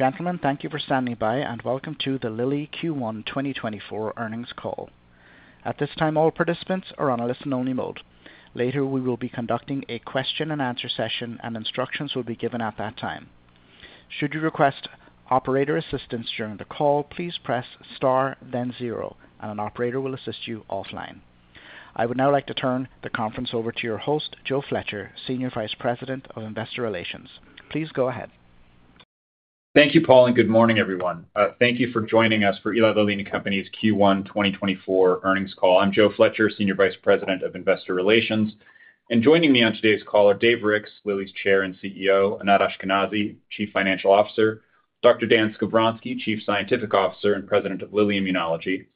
Gentlemen, thank you for standing by, and welcome to the Lilly Q1 2024 earnings call. At this time, all participants are on a listen-only mode. Later, we will be conducting a question and answer session, and instructions will be given at that time. Should you request operator assistance during the call, please press Star, then zero, and an operator will assist you offline. I would now like to turn the conference over to your host, Joe Fletcher, Senior Vice President of Investor Relations. Please go ahead. Thank you, Paul, and good morning, everyone. Thank you for joining us for Eli Lilly and Company's Q1 2024 earnings call. I'm Joe Fletcher, Senior Vice President of Investor Relations, and joining me on today's call are Dave Ricks, Lilly's Chair and CEO, Anat Ashkenazi, Chief Financial Officer, Dr. Dan Skovronsky, Chief Scientific Officer and President of Lilly Immunology,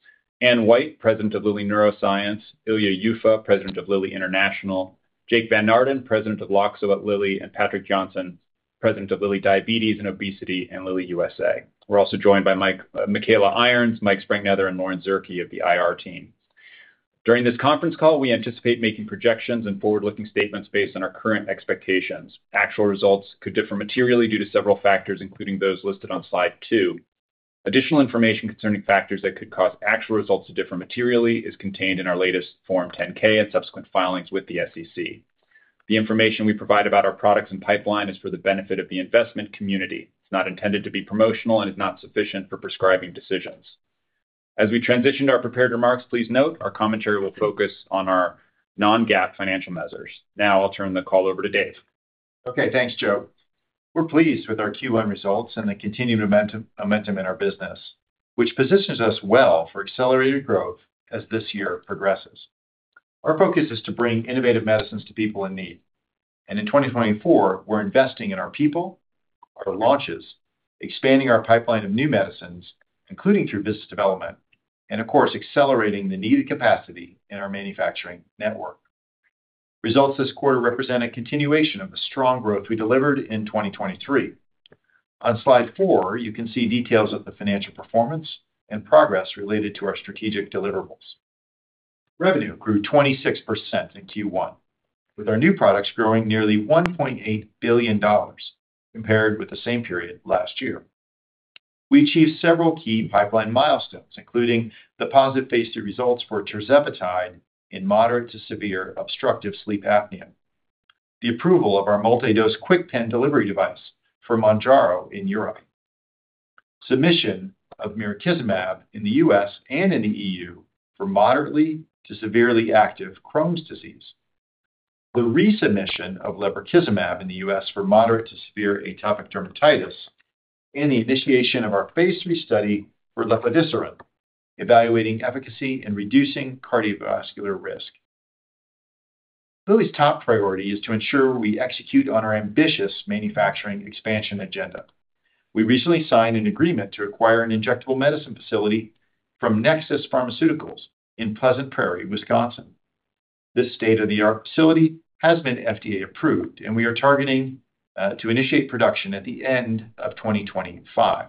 Anne White, President of Lilly Neuroscience, Ilya Yuffa, President of Lilly International, Jake Van Naarden, President of Loxo at Lilly, and Patrik Jonsson, President of Lilly Diabetes and Obesity and Lilly USA. We're also joined by Mike-- Michaela Irons, Mike Springnether, and Lauren Zierke of the IR team. During this conference call, we anticipate making projections and forward-looking statements based on our current expectations. Actual results could differ materially due to several factors, including those listed on slide two. Additional information concerning factors that could cause actual results to differ materially is contained in our latest Form 10-K and subsequent filings with the SEC. The information we provide about our products and pipeline is for the benefit of the investment community. It's not intended to be promotional and is not sufficient for prescribing decisions. As we transition to our prepared remarks, please note our commentary will focus on our non-GAAP financial measures. Now I'll turn the call over to Dave. Okay, thanks, Joe. We're pleased with our Q1 results and the continued momentum in our business, which positions us well for accelerated growth as this year progresses. Our focus is to bring innovative medicines to people in need, and in 2024, we're investing in our people, our launches, expanding our pipeline of new medicines, including through business development, and of course, accelerating the needed capacity in our manufacturing network. Results this quarter represent a continuation of the strong growth we delivered in 2023. On slide 4, you can see details of the financial performance and progress related to our strategic deliverables. Revenue grew 26% in Q1, with our new products growing nearly $1.8 billion compared with the same period last year. We achieved several key pipeline milestones, including the positive phase 2 results for tirzepatide in moderate to severe obstructive sleep apnea, the approval of our multi-dose KwikPen delivery device for Mounjaro in Europe, submission of mirikizumab in the U.S. and in the E.U. for moderately to severely active Crohn's disease, the resubmission of lebrikizumab in the U.S. for moderate to severe atopic dermatitis, and the initiation of our phase 3 study for lepodisiran, evaluating efficacy in reducing cardiovascular risk. Lilly's top priority is to ensure we execute on our ambitious manufacturing expansion agenda. We recently signed an agreement to acquire an injectable medicine facility from Nexus Pharmaceuticals in Pleasant Prairie, Wisconsin. This state-of-the-art facility has been FDA approved, and we are targeting to initiate production at the end of 2025.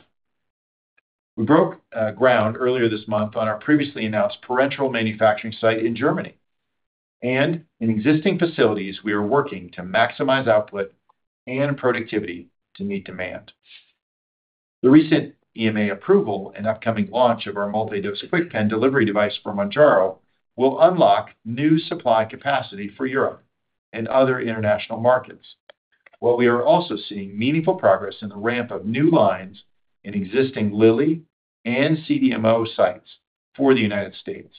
We broke ground earlier this month on our previously announced parenteral manufacturing site in Germany, and in existing facilities, we are working to maximize output and productivity to meet demand. The recent EMA approval and upcoming launch of our multi-dose KwikPen delivery device for Mounjaro will unlock new supply capacity for Europe and other international markets. While we are also seeing meaningful progress in the ramp of new lines in existing Lilly and CDMO sites for the United States.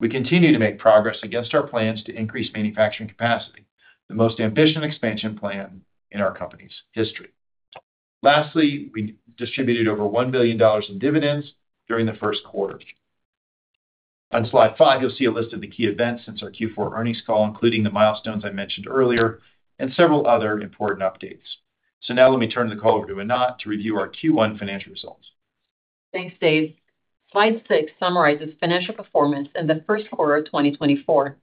We continue to make progress against our plans to increase manufacturing capacity, the most ambitious expansion plan in our company's history. Lastly, we distributed over $1 billion in dividends during the Q1. On slide five, you'll see a list of the key events since our Q4 earnings call, including the milestones I mentioned earlier and several other important updates. So now let me turn the call over to Anat to review our Q1 financial results. Thanks, Dave. Slide six summarizes financial performance in the Q1 of 2024.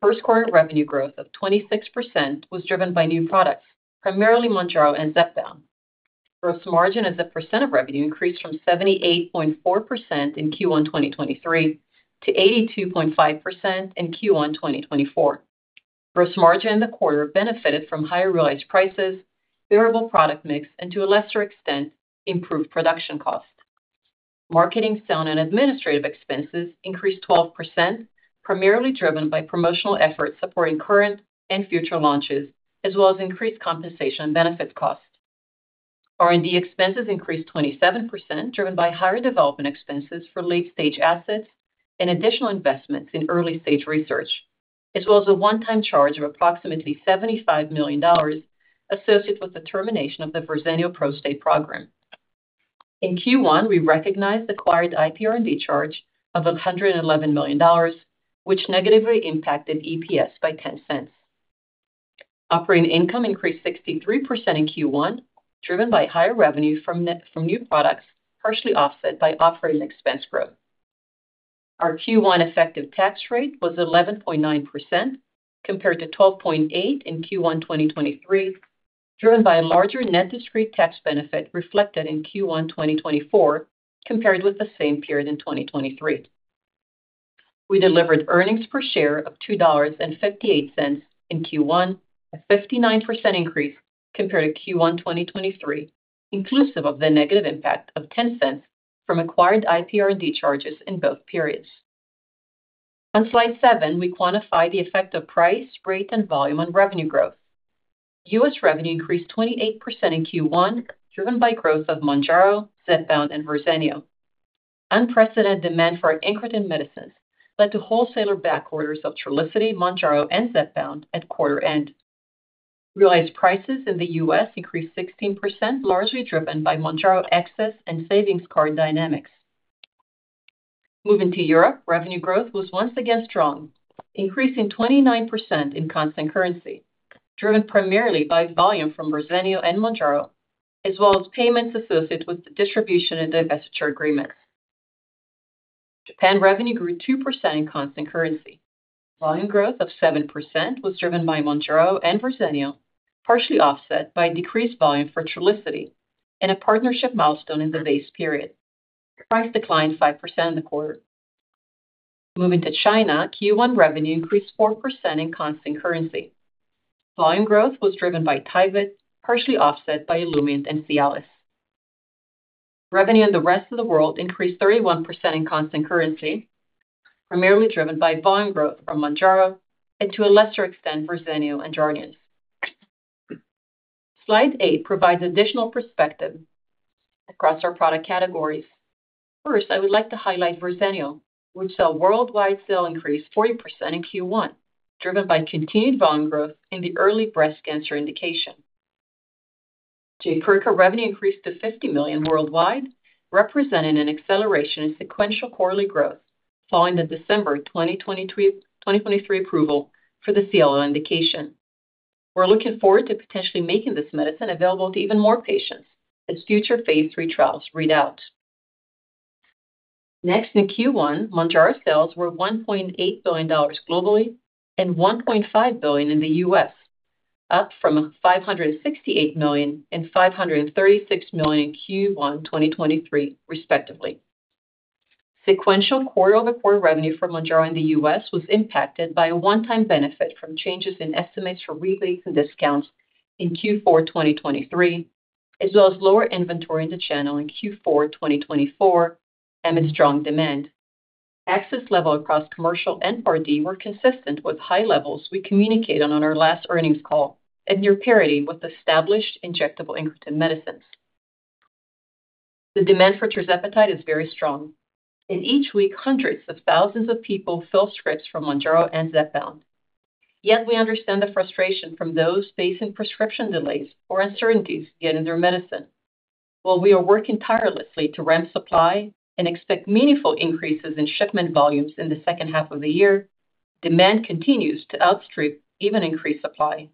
Q1 revenue growth of 26% was driven by new products, primarily Mounjaro and Zepbound. Gross margin as a percent of revenue increased from 78.4% in Q1 2023 to 82.5% in Q1 2024. Gross margin in the quarter benefited from higher realized prices, variable product mix, and to a lesser extent, improved production costs. Marketing, selling, and administrative expenses increased 12%, primarily driven by promotional efforts supporting current and future launches, as well as increased compensation and benefits costs. R&D expenses increased 27%, driven by higher development expenses for late-stage assets and additional investments in early-stage research, as well as a one-time charge of approximately $75 million associated with the termination of the Verzenio Prostate program. In Q1, we recognized acquired IPR&D charge of $111 million, which negatively impacted EPS by $0.10. Operating income increased 63% in Q1, driven by higher revenue from new products, partially offset by operating expense growth. Our Q1 effective tax rate was 11.9%, compared to 12.8% in Q1 2023, driven by a larger net discrete tax benefit reflected in Q1 2024, compared with the same period in 2023. We delivered earnings per share of $2.58 in Q1, a 59% increase compared to Q1 2023, inclusive of the negative impact of $0.10 from acquired IPR&D charges in both periods. On slide 7, we quantify the effect of price, rate, and volume on revenue growth. U.S. revenue increased 28% in Q1, driven by growth of Mounjaro, Zepbound, and Verzenio. Unprecedented demand for our incretin medicines led to wholesaler backorders of Trulicity, Mounjaro, and Zepbound at quarter end. Realized prices in the US increased 16%, largely driven by Mounjaro access and savings card dynamics. Moving to Europe, revenue growth was once again strong, increasing 29% in constant currency, driven primarily by volume from Verzenio and Mounjaro, as well as payments associated with the distribution and divestiture agreement. Japan revenue grew 2% in constant currency. Volume growth of 7% was driven by Mounjaro and Verzenio, partially offset by decreased volume for Trulicity and a partnership milestone in the base period. Price declined 5% in the quarter. Moving to China, Q1 revenue increased 4% in constant currency. Volume growth was driven by Tyvyt, partially offset by Olumiant and Cialis. Revenue in the rest of the world increased 31% in constant currency, primarily driven by volume growth from Mounjaro and to a lesser extent, Verzenio and Jardiance. Slide 8 provides additional perspective across our product categories. First, I would like to highlight Verzenio, which saw worldwide sales increase 40% in Q1, driven by continued volume growth in the early breast cancer indication. Jaypirca revenue increased to $50 million worldwide, representing an acceleration in sequential quarterly growth following the December 2023 approval for the CLL indication. We're looking forward to potentially making this medicine available to even more patients as future phase 3 trials read out. Next, in Q1, Mounjaro sales were $1.8 billion globally and $1.5 billion in the US, up from $568 million and $536 million in Q1 2023, respectively. Sequential quarter-over-quarter revenue for Mounjaro in the U.S. was impacted by a one-time benefit from changes in estimates for rebates and discounts in Q4 2023, as well as lower inventory in the channel in Q4 2024, amid strong demand. Access level across commercial and R&D were consistent with high levels we communicated on our last earnings call and near parity with established injectable incretin medicines. The demand for tirzepatide is very strong, and each week, hundreds of thousands of people fill scripts from Mounjaro and Zepbound. Yet we understand the frustration from those facing prescription delays or uncertainties getting their medicine. While we are working tirelessly to ramp supply and expect meaningful increases in shipment volumes in the H2 of the year, demand continues to outstrip even increased supply.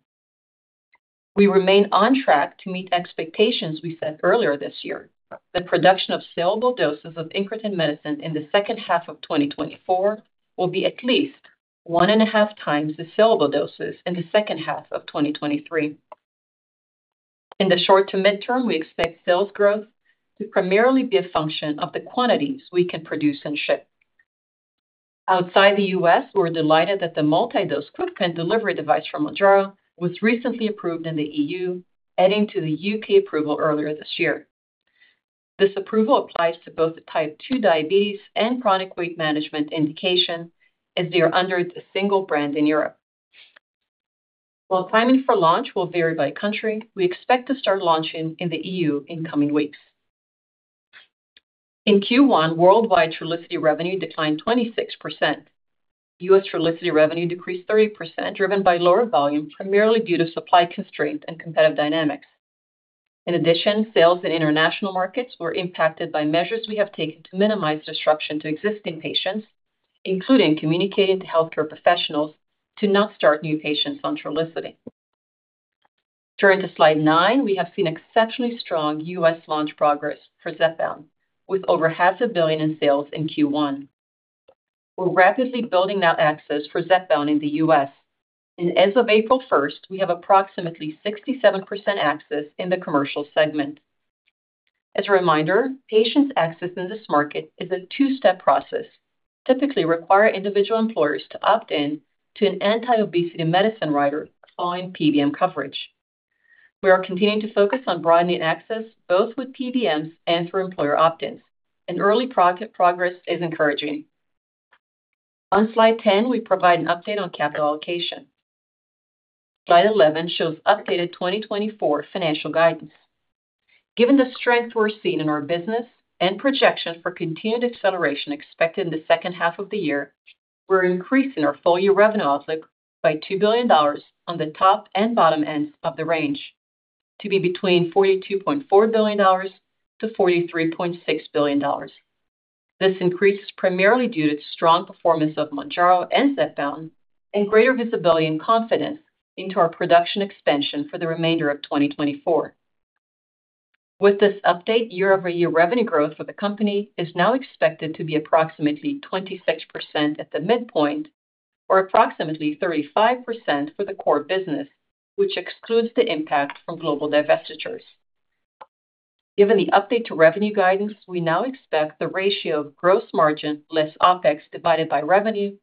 We remain on track to meet expectations we set earlier this year, that production of sellable doses of incretin medicine in the H2 of 2024 will be at least 1.5 times the sellable doses in the H2 of 2023. In the short to midterm, we expect sales growth to primarily be a function of the quantities we can produce and ship. Outside the U.S., we're delighted that the multi-dose KwikPen delivery device for Mounjaro was recently approved in the E.U., adding to the U.K. approval earlier this year. This approval applies to both the type 2 diabetes and chronic weight management indication, and they are under a single brand in Europe. While timing for launch will vary by country, we expect to start launching in the E.U. in coming weeks. In Q1, worldwide Trulicity revenue declined 26%. U.S. Trulicity revenue decreased 30%, driven by lower volume, primarily due to supply constraints and competitive dynamics. In addition, sales in international markets were impacted by measures we have taken to minimize disruption to existing patients, including communicating to healthcare professionals to not start new patients on Trulicity. Turning to slide 9, we have seen exceptionally strong U.S. launch progress for Zepbound, with over $500 million in sales in Q1. We're rapidly building out access for Zepbound in the U.S., and as of April 1, we have approximately 67% access in the commercial segment. As a reminder, patients' access in this market is a two-step process, typically require individual employers to opt in to an anti-obesity medicine rider following PBM coverage. We are continuing to focus on broadening access, both with PBMs and through employer opt-ins, and early progress is encouraging. On slide 10, we provide an update on capital allocation. Slide 11 shows updated 2024 financial guidance. Given the strength we're seeing in our business and projection for continued acceleration expected in the H2 of the year, we're increasing our full year revenue outlook by $2 billion on the top and bottom ends of the range to be between $42.4 billion-$43.6 billion. This increase is primarily due to strong performance of Mounjaro and Zepbound, and greater visibility and confidence into our production expansion for the remainder of 2024. With this update, year-over-year revenue growth for the company is now expected to be approximately 26% at the midpoint, or approximately 35% for the core business, which excludes the impact from global divestitures.... Given the update to revenue guidance, we now expect the ratio of gross margin less OpEx divided by revenue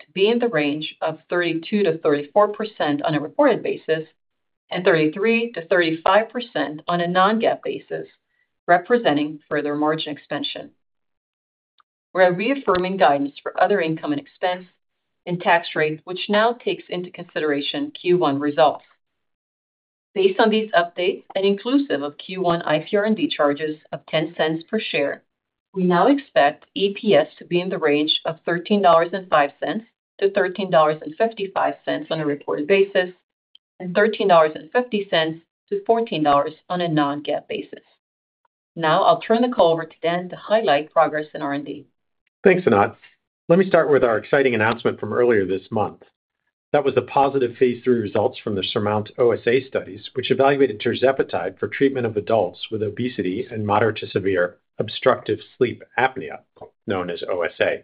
to be in the range of 32%-34% on a reported basis and 33%-35% on a non-GAAP basis, representing further margin expansion. We're reaffirming guidance for other income and expense and tax rate, which now takes into consideration Q1 results. Based on these updates and inclusive of Q1 IPR&D charges of $0.10 per share, we now expect EPS to be in the range of $13.05-$13.55 on a reported basis, and $13.50-$14 on a non-GAAP basis. Now I'll turn the call over to Dan to highlight progress in R&D. Thanks, Anat. Let me start with our exciting announcement from earlier this month. That was the positive phase 3 results from the SURMOUNT-OSA studies, which evaluated tirzepatide for treatment of adults with obesity and moderate to severe obstructive sleep apnea, known as OSA.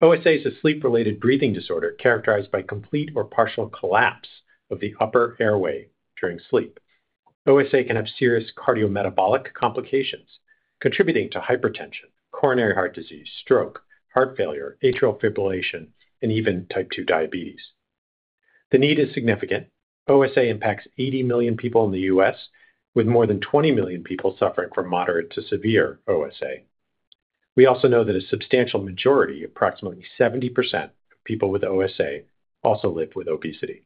OSA is a sleep-related breathing disorder characterized by complete or partial collapse of the upper airway during sleep. OSA can have serious cardiometabolic complications, contributing to hypertension, coronary heart disease, stroke, heart failure, atrial fibrillation, and even type 2 diabetes. The need is significant. OSA impacts 80 million people in the U.S., with more than 20 million people suffering from moderate to severe OSA. We also know that a substantial majority, approximately 70% of people with OSA, also live with obesity.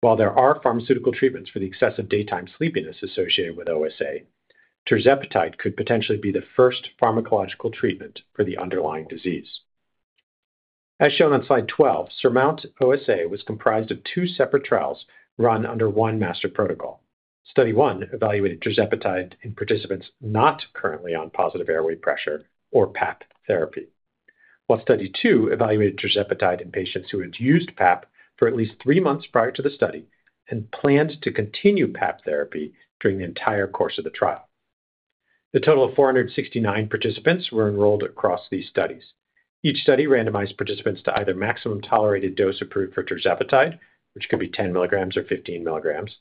While there are pharmaceutical treatments for the excessive daytime sleepiness associated with OSA, tirzepatide could potentially be the first pharmacological treatment for the underlying disease. As shown on slide 12, SURMOUNT-OSA was comprised of two separate trials run under one master protocol. Study One evaluated tirzepatide in participants not currently on positive airway pressure or PAP therapy, while Study Two evaluated tirzepatide in patients who had used PAP for at least three months prior to the study and planned to continue PAP therapy during the entire course of the trial. The total of 469 participants were enrolled across these studies. Each study randomized participants to either maximum tolerated dose approved for tirzepatide, which could be 10 milligrams or 15 milligrams,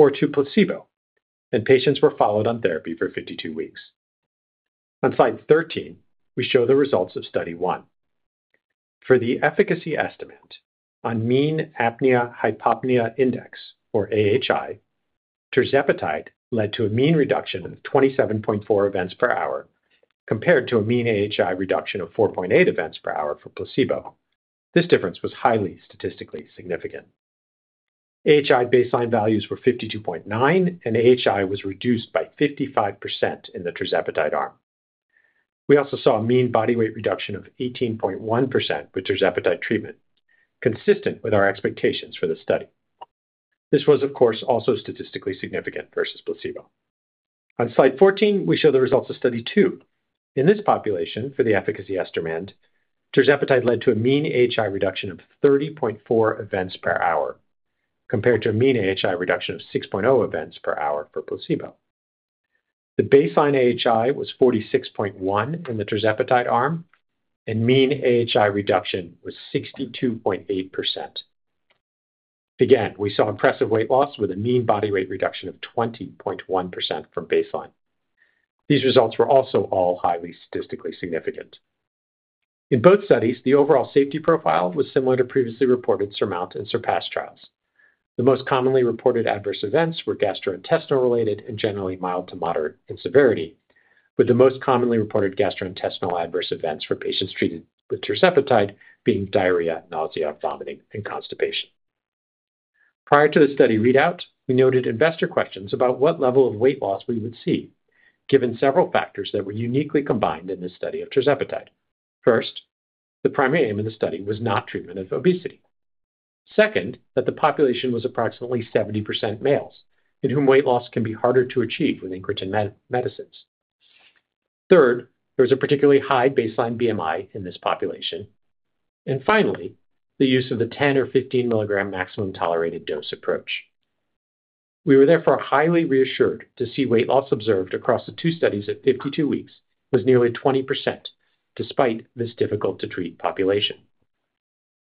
or to placebo, and patients were followed on therapy for 52 weeks. On slide 13, we show the results of Study One. For the efficacy estimate on mean apnea-hypopnea index, or AHI, tirzepatide led to a mean reduction of 27.4 events per hour, compared to a mean AHI reduction of 4.8 events per hour for placebo. This difference was highly statistically significant. AHI baseline values were 52.9, and AHI was reduced by 55% in the tirzepatide arm. We also saw a mean body weight reduction of 18.1% with tirzepatide treatment, consistent with our expectations for the study. This was, of course, also statistically significant versus placebo. On slide 14, we show the results of Study 2. In this population, for the efficacy estimate, tirzepatide led to a mean AHI reduction of 30.4 events per hour, compared to a mean AHI reduction of 6.0 events per hour for placebo. The baseline AHI was 46.1 in the tirzepatide arm, and mean AHI reduction was 62.8%. Again, we saw impressive weight loss with a mean body weight reduction of 20.1% from baseline. These results were also all highly statistically significant. In both studies, the overall safety profile was similar to previously reported SURMOUNT and SURPASS trials. The most commonly reported adverse events were gastrointestinal-related and generally mild to moderate in severity, with the most commonly reported gastrointestinal adverse events for patients treated with tirzepatide being diarrhea, nausea, vomiting, and constipation. Prior to the study readout, we noted investor questions about what level of weight loss we would see, given several factors that we're uniquely combined in this study of tirzepatide. First, the primary aim of the study was not treatment of obesity. Second, that the population was approximately 70% males, in whom weight loss can be harder to achieve with incretin medicines. Third, there was a particularly high baseline BMI in this population. And finally, the use of the 10 or 15 milligram maximum tolerated dose approach. We were therefore highly reassured to see weight loss observed across the two studies at 52 weeks was nearly 20%, despite this difficult-to-treat population.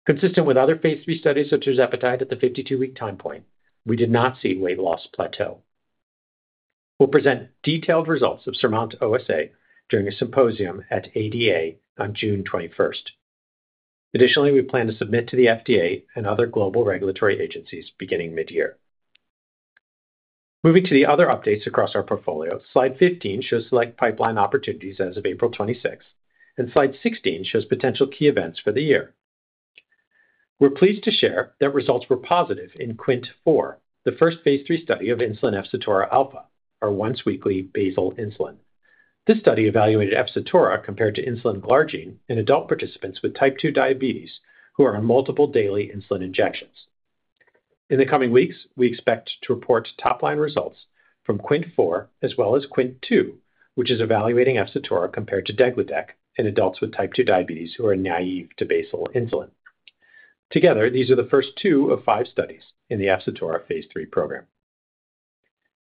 Consistent with other phase 3 studies of tirzepatide at the 52-week time point, we did not see weight loss plateau. We'll present detailed results of SURMOUNT-OSA during a symposium at ADA on June 21. Additionally, we plan to submit to the FDA and other global regulatory agencies beginning mid-year. Moving to the other updates across our portfolio. Slide 15 shows select pipeline opportunities as of April 26, and Slide 16 shows potential key events for the year. We're pleased to share that results were positive in QWINT-4, the first Phase III study of insulin efsitora alfa, our once-weekly basal insulin. This study evaluated efsitora compared to insulin glargine in adult participants with type two diabetes, who are on multiple daily insulin injections. In the coming weeks, we expect to report top-line results from QWINT-4, as well as QWINT-2, which is evaluating efsitora compared to degludec in adults with type two diabetes who are naive to basal insulin. Together, these are the first two of five studies in the efsitora Phase III program.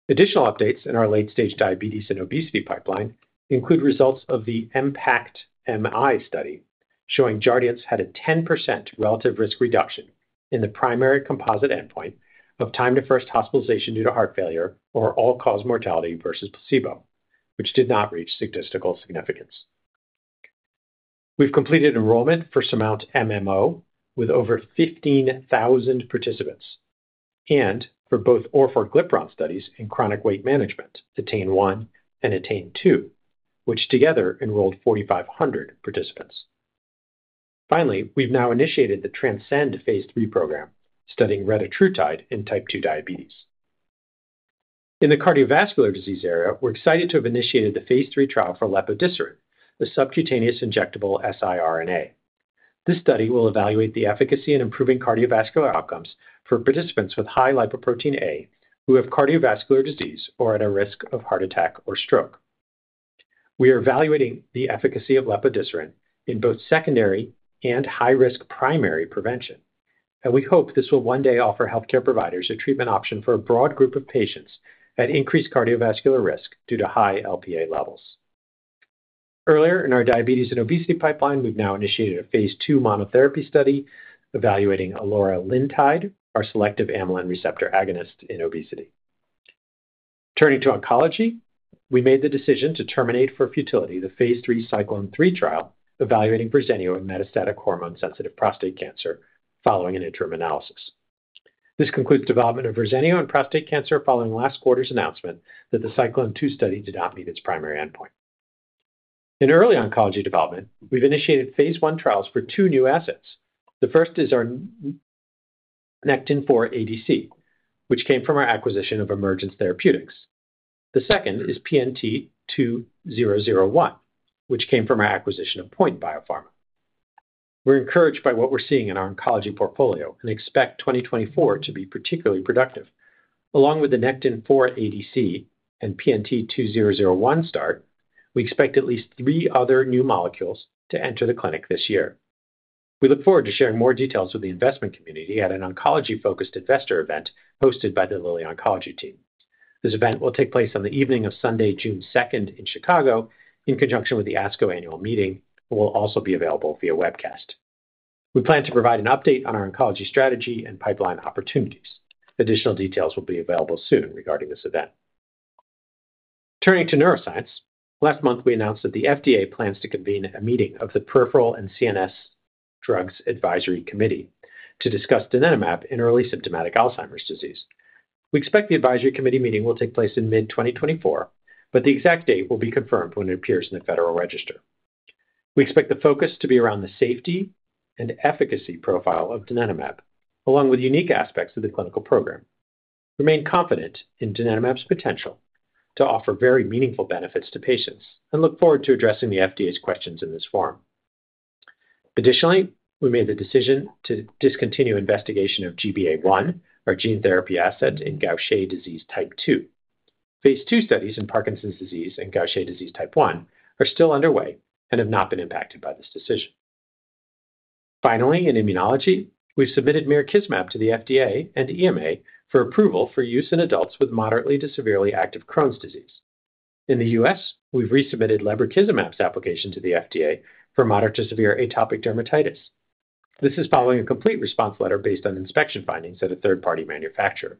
Additional updates in our late-stage diabetes and obesity pipeline include results of the EMPACT-MI study, showing Jardiance had a 10% relative risk reduction in the primary composite endpoint of time to first hospitalization due to heart failure, or all-cause mortality versus placebo, which did not reach statistical significance. We've completed enrollment for SURMOUNT-MMO, with over 15,000 participants, and for both orforglipron studies in chronic weight management, ATTAIN-1 and ATTAIN-2, which together enrolled 4,500 participants. Finally, we've now initiated the TRANSCEND phase III program, studying retatrutide in type 2 diabetes. In the cardiovascular disease area, we're excited to have initiated the phase III trial for lepodisiran, the subcutaneous injectable siRNA. This study will evaluate the efficacy in improving cardiovascular outcomes for participants with high lipoprotein A, who have cardiovascular disease or are at a risk of heart attack or stroke. We are evaluating the efficacy of lepodisiran in both secondary and high-risk primary prevention, and we hope this will one day offer healthcare providers a treatment option for a broad group of patients at increased cardiovascular risk due to high LPA levels. Earlier in our diabetes and obesity pipeline, we've now initiated a phase II monotherapy study evaluating eloralintide, our selective amylin receptor agonist in obesity. Turning to oncology, we made the decision to terminate for futility the phase III CYCLONE-III trial, evaluating Verzenio in metastatic hormone-sensitive prostate cancer, following an interim analysis. This concludes development of Verzenio in prostate cancer following last quarter's announcement that the CYCLONE-II study did not meet its primary endpoint. In early oncology development, we've initiated phase I trials for two new assets. The first is our nectin-4 ADC, which came from our acquisition of Emergence Therapeutics. The second is PNT2001, which came from our acquisition of Point Biopharma. We're encouraged by what we're seeing in our oncology portfolio and expect 2024 to be particularly productive. Along with the nectin-4 ADC and PNT2001 start, we expect at least three other new molecules to enter the clinic this year. We look forward to sharing more details with the investment community at an oncology-focused investor event hosted by the Lilly Oncology team. This event will take place on the evening of Sunday, June 2nd in Chicago, in conjunction with the ASCO annual meeting, and will also be available via webcast. We plan to provide an update on our oncology strategy and pipeline opportunities. Additional details will be available soon regarding this event. Turning to neuroscience, last month, we announced that the FDA plans to convene a meeting of the Peripheral and CNS Drugs Advisory Committee to discuss donanemab in early symptomatic Alzheimer's disease. We expect the advisory committee meeting will take place in mid-2024, but the exact date will be confirmed when it appears in the Federal Register. We expect the focus to be around the safety and efficacy profile of donanemab, along with unique aspects of the clinical program. Remain confident in donanemab's potential to offer very meaningful benefits to patients and look forward to addressing the FDA's questions in this forum. Additionally, we made the decision to discontinue investigation of GBA1, our gene therapy asset in Gaucher disease Type 2. Phase II studies in Parkinson's disease and Gaucher disease Type 1 are still underway and have not been impacted by this decision. Finally, in immunology, we've submitted mirikizumab to the FDA and EMA for approval for use in adults with moderately to severely active Crohn's disease. In the US, we've resubmitted lebrikizumab's application to the FDA for moderate to severe atopic dermatitis. This is following a complete response letter based on inspection findings at a third-party manufacturer.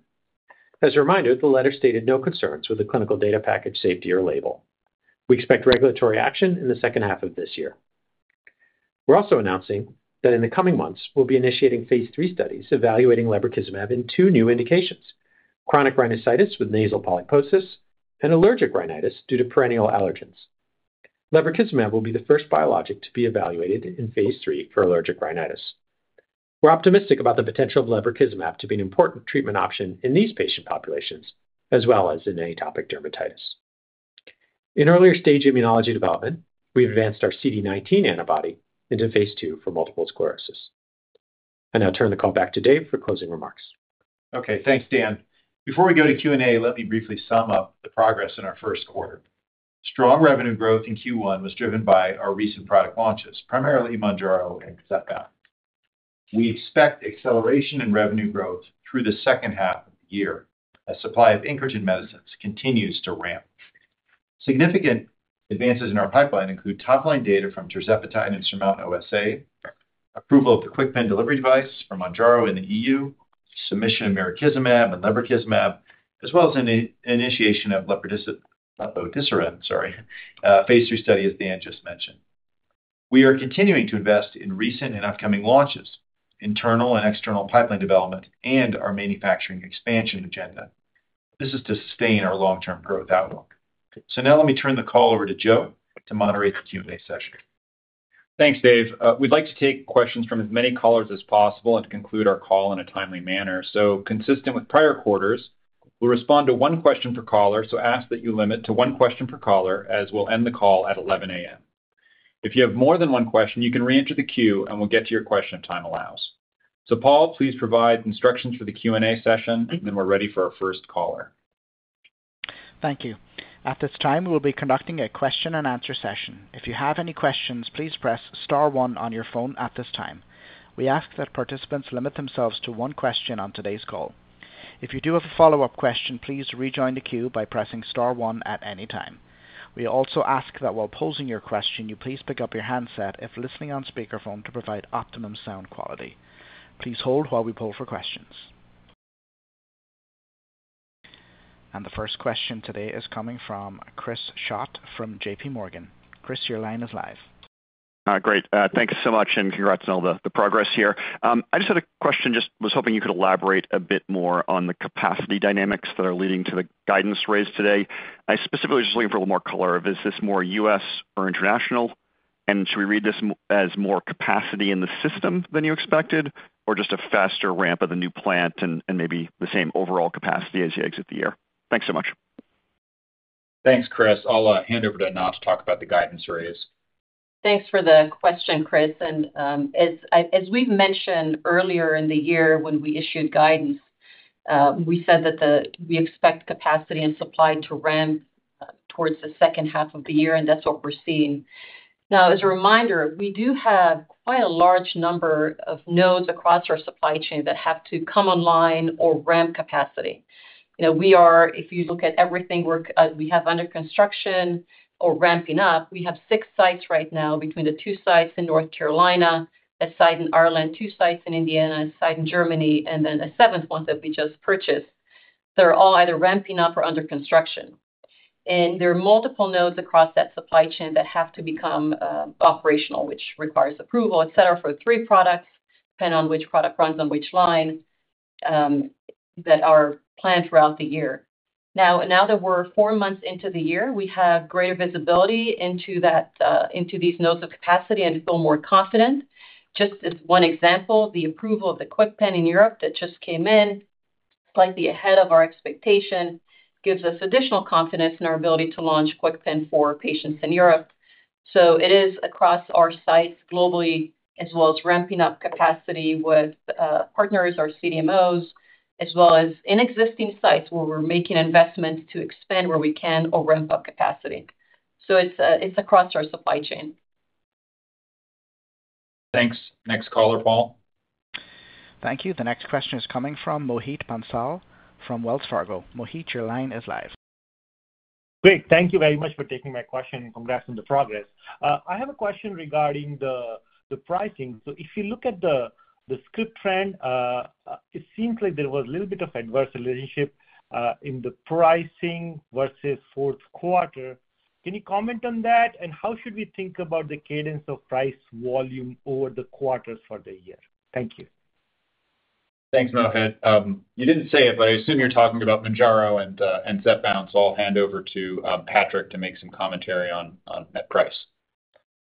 As a reminder, the letter stated no concerns with the clinical data package, safety, or label. We expect regulatory action in the H2 of this year. We're also announcing that in the coming months, we'll be initiating phase III studies evaluating lebrikizumab in two new indications: chronic rhinitis with nasal polyposis and allergic rhinitis due to perennial allergens. Lebrikizumab will be the first biologic to be evaluated in phase III for allergic rhinitis. We're optimistic about the potential of lebrikizumab to be an important treatment option in these patient populations, as well as in atopic dermatitis. In earlier stage immunology development, we've advanced our CD19 antibody into phase II for multiple sclerosis. I now turn the call back to Dave for closing remarks. Okay, thanks, Dan. Before we go to Q&A, let me briefly sum up the progress in our Q1. Strong revenue growth in Q1 was driven by our recent product launches, primarily Mounjaro and Zepbound. We expect acceleration in revenue growth through the H2 of the year as supply of incretin medicines continues to ramp. Significant advances in our pipeline include top-line data from tirzepatide and SURMOUNT-OSA, approval of the KwikPen delivery device for Mounjaro in the EU, submission of mirikizumab and lebrikizumab, as well as in the initiation of lepodisiran phase 3 study, as Dan just mentioned. We are continuing to invest in recent and upcoming launches, internal and external pipeline development, and our manufacturing expansion agenda. This is to sustain our long-term growth outlook. So now let me turn the call over to Joe to moderate the Q&A session. Thanks, Dave. We'd like to take questions from as many callers as possible and to conclude our call in a timely manner. Consistent with prior quarters, we'll respond to one question per caller, so ask that you limit to one question per caller, as we'll end the call at 11 A.M. If you have more than one question, you can reenter the queue, and we'll get to your question, time allows. Paul, please provide instructions for the Q&A session, and then we're ready for our first caller. Thank you. At this time, we'll be conducting a question and answer session. If you have any questions, please press star one on your phone at this time. We ask that participants limit themselves to one question on today's call. If you do have a follow-up question, please rejoin the queue by pressing star one at any time. We also ask that while posing your question, you please pick up your handset if listening on speakerphone to provide optimum sound quality. Please hold while we poll for questions.... The first question today is coming from Chris Schott from JP Morgan. Chris, your line is live. Great. Thank you so much, and congrats on all the progress here. I just had a question, just was hoping you could elaborate a bit more on the capacity dynamics that are leading to the guidance raise today. I specifically was just looking for a little more color of, is this more U.S. or international? And should we read this as more capacity in the system than you expected, or just a faster ramp of the new plant and maybe the same overall capacity as you exit the year? Thanks so much. Thanks, Chris. I'll hand over to Anat to talk about the guidance raise. Thanks for the question, Chris. As we've mentioned earlier in the year when we issued guidance, we said that we expect capacity and supply to ramp towards the H2 of the year, and that's what we're seeing. Now, as a reminder, we do have quite a large number of nodes across our supply chain that have to come online or ramp capacity. You know, we are, if you look at everything we have under construction or ramping up, we have six sites right now between the two sites in North Carolina, a site in Ireland, two sites in Indiana, a site in Germany, and then a seventh one that we just purchased. They're all either ramping up or under construction. There are multiple nodes across that supply chain that have to become operational, which requires approval, et cetera, for the three products, depending on which product runs on which line, that are planned throughout the year. Now that we're four months into the year, we have greater visibility into that, into these nodes of capacity and feel more confident. Just as one example, the approval of the KwikPen in Europe that just came in, slightly ahead of our expectation, gives us additional confidence in our ability to launch KwikPen for patients in Europe. So it is across our sites globally, as well as ramping up capacity with partners or CDMOs, as well as in existing sites where we're making investments to expand where we can or ramp up capacity. So it's across our supply chain. Thanks. Next caller, Paul. Thank you. The next question is coming from Mohit Bansal from Wells Fargo. Mohit, your line is live. Great. Thank you very much for taking my question, and congrats on the progress. I have a question regarding the, the pricing. So if you look at the, the script trend, it seems like there was a little bit of adverse relationship in the pricing versus Q4. Can you comment on that? And how should we think about the cadence of price volume over the quarters for the year? Thank you. Thanks, Mohit. You didn't say it, but I assume you're talking about Mounjaro and Zepbound, so I'll hand over to Patrik to make some commentary on net price.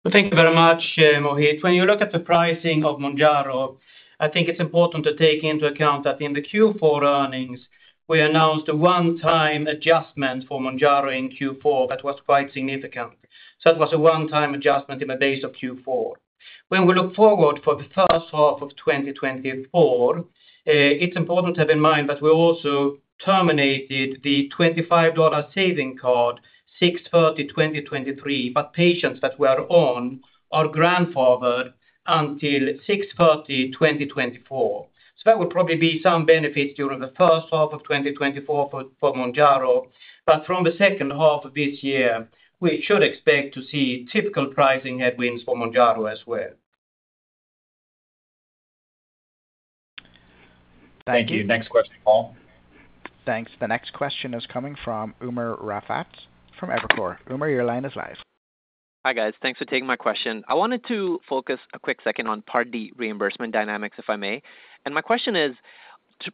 Thank you very much, Mohit. When you look at the pricing of Mounjaro, I think it's important to take into account that in the Q4 earnings, we announced a one-time adjustment for Mounjaro in Q4 that was quite significant. So it was a one-time adjustment in the base of Q4. When we look forward for the H1 of 2024, it's important to have in mind that we also terminated the $25 saving card, 6/30/2023, but patients that were on are grandfathered until 6/30/2024. So that would probably be some benefit during the H1 of 2024 for Mounjaro. But from the H2 of this year, we should expect to see typical pricing headwinds for Mounjaro as well. Thank you. Thank you. Next question, Paul. Thanks. The next question is coming from Umer Raffat from Evercore. Umer, your line is live. Hi, guys. Thanks for taking my question. I wanted to focus a quick second on Part D reimbursement dynamics, if I may. My question is,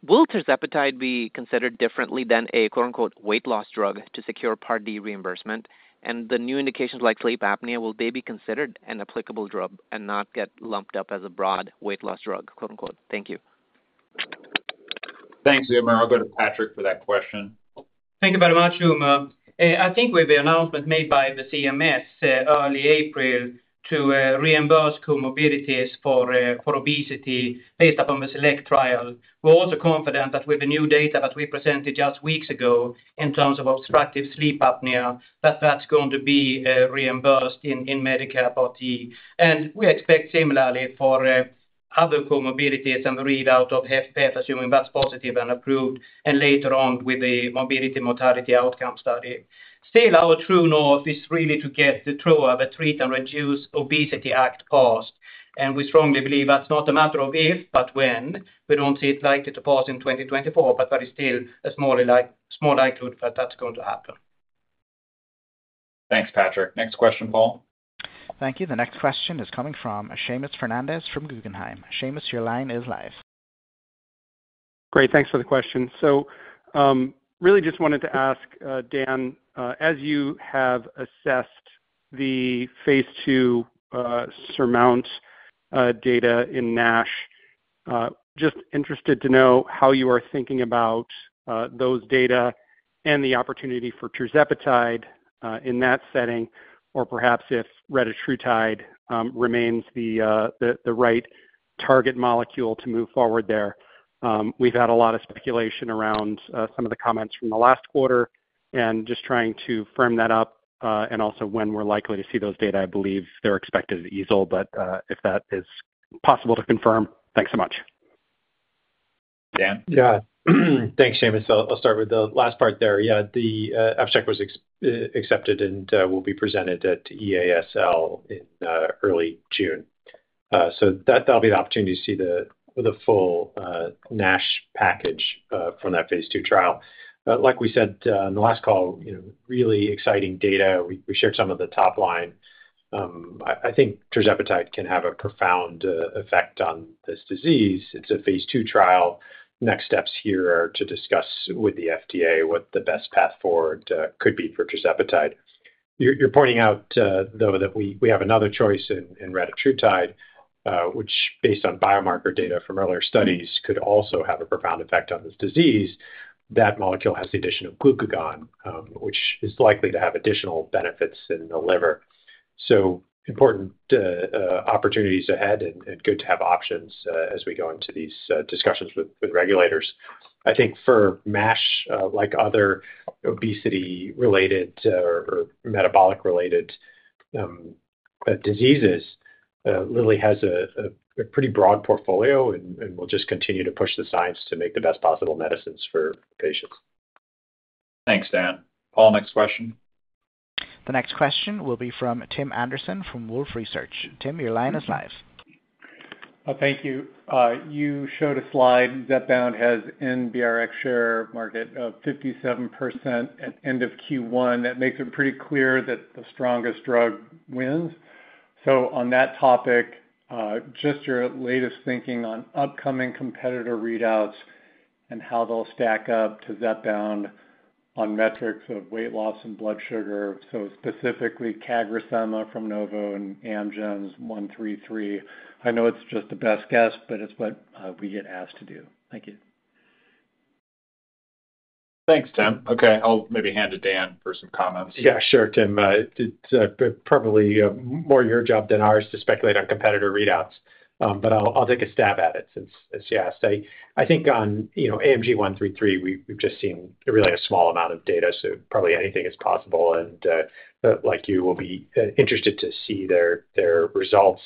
will tirzepatide be considered differently than a, quote, unquote, "weight loss drug" to secure Part D reimbursement? The new indications like sleep apnea, will they be considered an applicable drug and not get lumped up as a broad "weight loss drug," quote, unquote? Thank you. Thanks, Umer. I'll go to Patrik for that question. Thank you very much, Umer. I think with the announcement made by the CMS early April to reimburse comorbidities for obesity based upon the Select trial, we're also confident that with the new data that we presented just weeks ago in terms of obstructive sleep apnea, that that's going to be reimbursed in Medicare Part D. We expect similarly for other comorbidities and the readout of HFpEF, assuming that's positive and approved, and later on with the morbidity mortality outcome study. Still, our true north is really to get the TROA of the Treat and Reduce Obesity Act passed, and we strongly believe that's not a matter of if, but when. We don't see it likely to pass in 2024, but there is still a small likelihood that that's going to happen. Thanks, Patrik. Next question, Paul. Thank you. The next question is coming from Seamus Fernandez from Guggenheim. Seamus, your line is live. Great, thanks for the question. So, really just wanted to ask, Dan, as you have assessed the phase two SURMOUNT data in NASH, just interested to know how you are thinking about those data and the opportunity for tirzepatide in that setting, or perhaps if retatrutide remains the right target molecule to move forward there. We've had a lot of speculation around some of the comments from the last quarter, and just trying to firm that up, and also when we're likely to see those data. I believe they're expected at EASL, but if that is possible to confirm. Thanks so much. Dan? Yeah. Thanks, Seamus. I'll start with the last part there. Yeah, the abstract was accepted and will be presented at EASL in early June.... so that'll be the opportunity to see the full NASH package from that phase 2 trial. But like we said, in the last call, you know, really exciting data. We shared some of the top line. I think tirzepatide can have a profound effect on this disease. It's a phase 2 trial. Next steps here are to discuss with the FDA what the best path forward could be for tirzepatide. You're pointing out, though, that we have another choice in retatrutide, which based on biomarker data from earlier studies, could also have a profound effect on this disease. That molecule has the addition of glucagon, which is likely to have additional benefits in the liver. So important opportunities ahead and good to have options as we go into these discussions with regulators. I think for MASH, like other obesity-related or metabolic-related diseases, Lilly has a pretty broad portfolio, and we'll just continue to push the science to make the best possible medicines for patients. Thanks, Dan. Paul, next question. The next question will be from Tim Anderson from Wolfe Research. Tim, your line is live. Thank you. You showed a slide Zepbound has NBRX market share of 57% at end of Q1. That makes it pretty clear that the strongest drug wins. So on that topic, just your latest thinking on upcoming competitor readouts and how they'll stack up to Zepbound on metrics of weight loss and blood sugar. So specifically, CagriSema from Novo and Amgen's 133. I know it's just the best guess, but it's what we get asked to do. Thank you. Thanks, Tim. Okay, I'll maybe hand to Dan for some comments. Yeah, sure, Tim. It's probably more your job than ours to speculate on competitor readouts, but I'll take a stab at it since you asked. I think on, you know, AMG 133, we've just seen really a small amount of data, so probably anything is possible. And like you will be interested to see their results.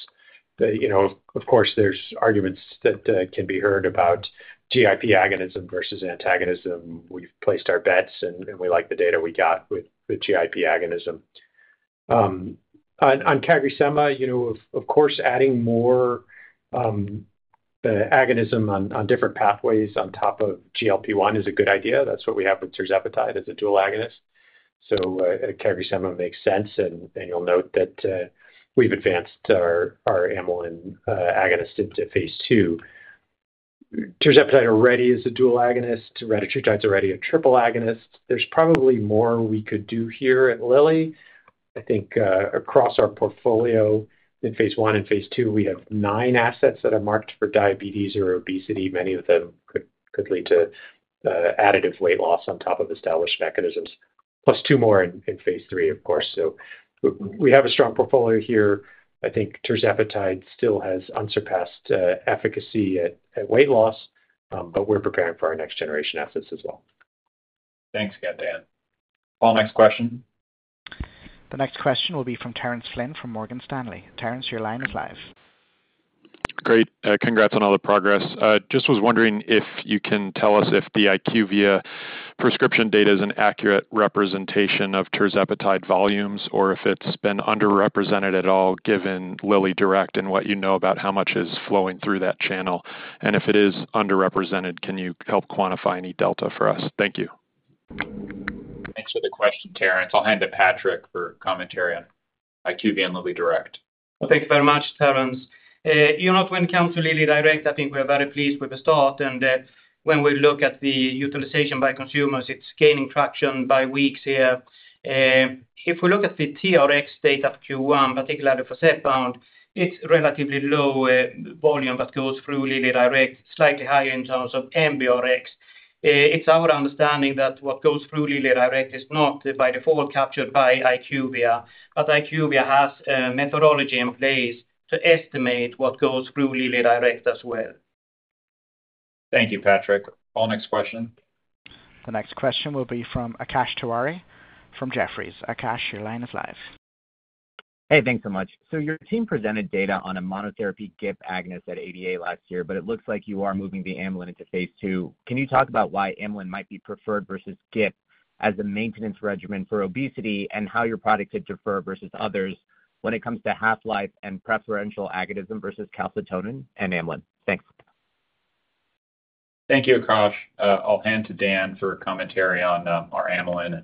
You know, of course, there's arguments that can be heard about GIP agonism versus antagonism. We've placed our bets, and we like the data we got with the GIP agonism. On CagriSema, you know, of course, adding more agonism on different pathways on top of GLP-1 is a good idea. That's what we have with tirzepatide as a dual agonist. So, CagriSema makes sense, and you'll note that we've advanced our amylin agonist into phase two. Tirzepatide already is a dual agonist. Retatrutide is already a triple agonist. There's probably more we could do here at Lilly. I think, across our portfolio in Phase 1 and Phase 2, we have nine assets that are marked for diabetes or obesity. Many of them could lead to additive weight loss on top of established mechanisms, plus two more in Phase 3, of course. So we have a strong portfolio here. I think tirzepatide still has unsurpassed efficacy at weight loss, but we're preparing for our next generation assets as well. Thanks again, Dan. Paul, next question. The next question will be from Terence Flynn from Morgan Stanley. Terence, your line is live. Great. Congrats on all the progress. I just was wondering if you can tell us if the IQVIA prescription data is an accurate representation of tirzepatide volumes, or if it's been underrepresented at all, given LillyDirect and what you know about how much is flowing through that channel. And if it is underrepresented, can you help quantify any delta for us? Thank you. Thanks for the question, Terence. I'll hand to Patrik for commentary on IQVIA and LillyDirect. Well, thank you very much, Terence. You know, when it comes to LillyDirect, I think we are very pleased with the start and that when we look at the utilization by consumers, it's gaining traction by weeks here. If we look at the TRX data Q1, particularly for Zepbound, it's relatively low volume that goes through LillyDirect, slightly higher in terms of NBRX. It's our understanding that what goes through LillyDirect is not by default captured by IQVIA, but IQVIA has a methodology in place to estimate what goes through LillyDirect as well. Thank you, Patrik. Paul, next question. The next question will be from Akash Tewari from Jefferies. Akash, your line is live. Hey, thanks so much. So your team presented data on a monotherapy GIP agonist at ADA last year, but it looks like you are moving the amylin to phase two. Can you talk about why amylin might be preferred versus GIP as a maintenance regimen for obesity, and how your product could differ versus others when it comes to half-life and preferential agonism versus calcitonin and amylin? Thanks. Thank you, Akash. I'll hand to Dan for a commentary on our amylin. Yeah,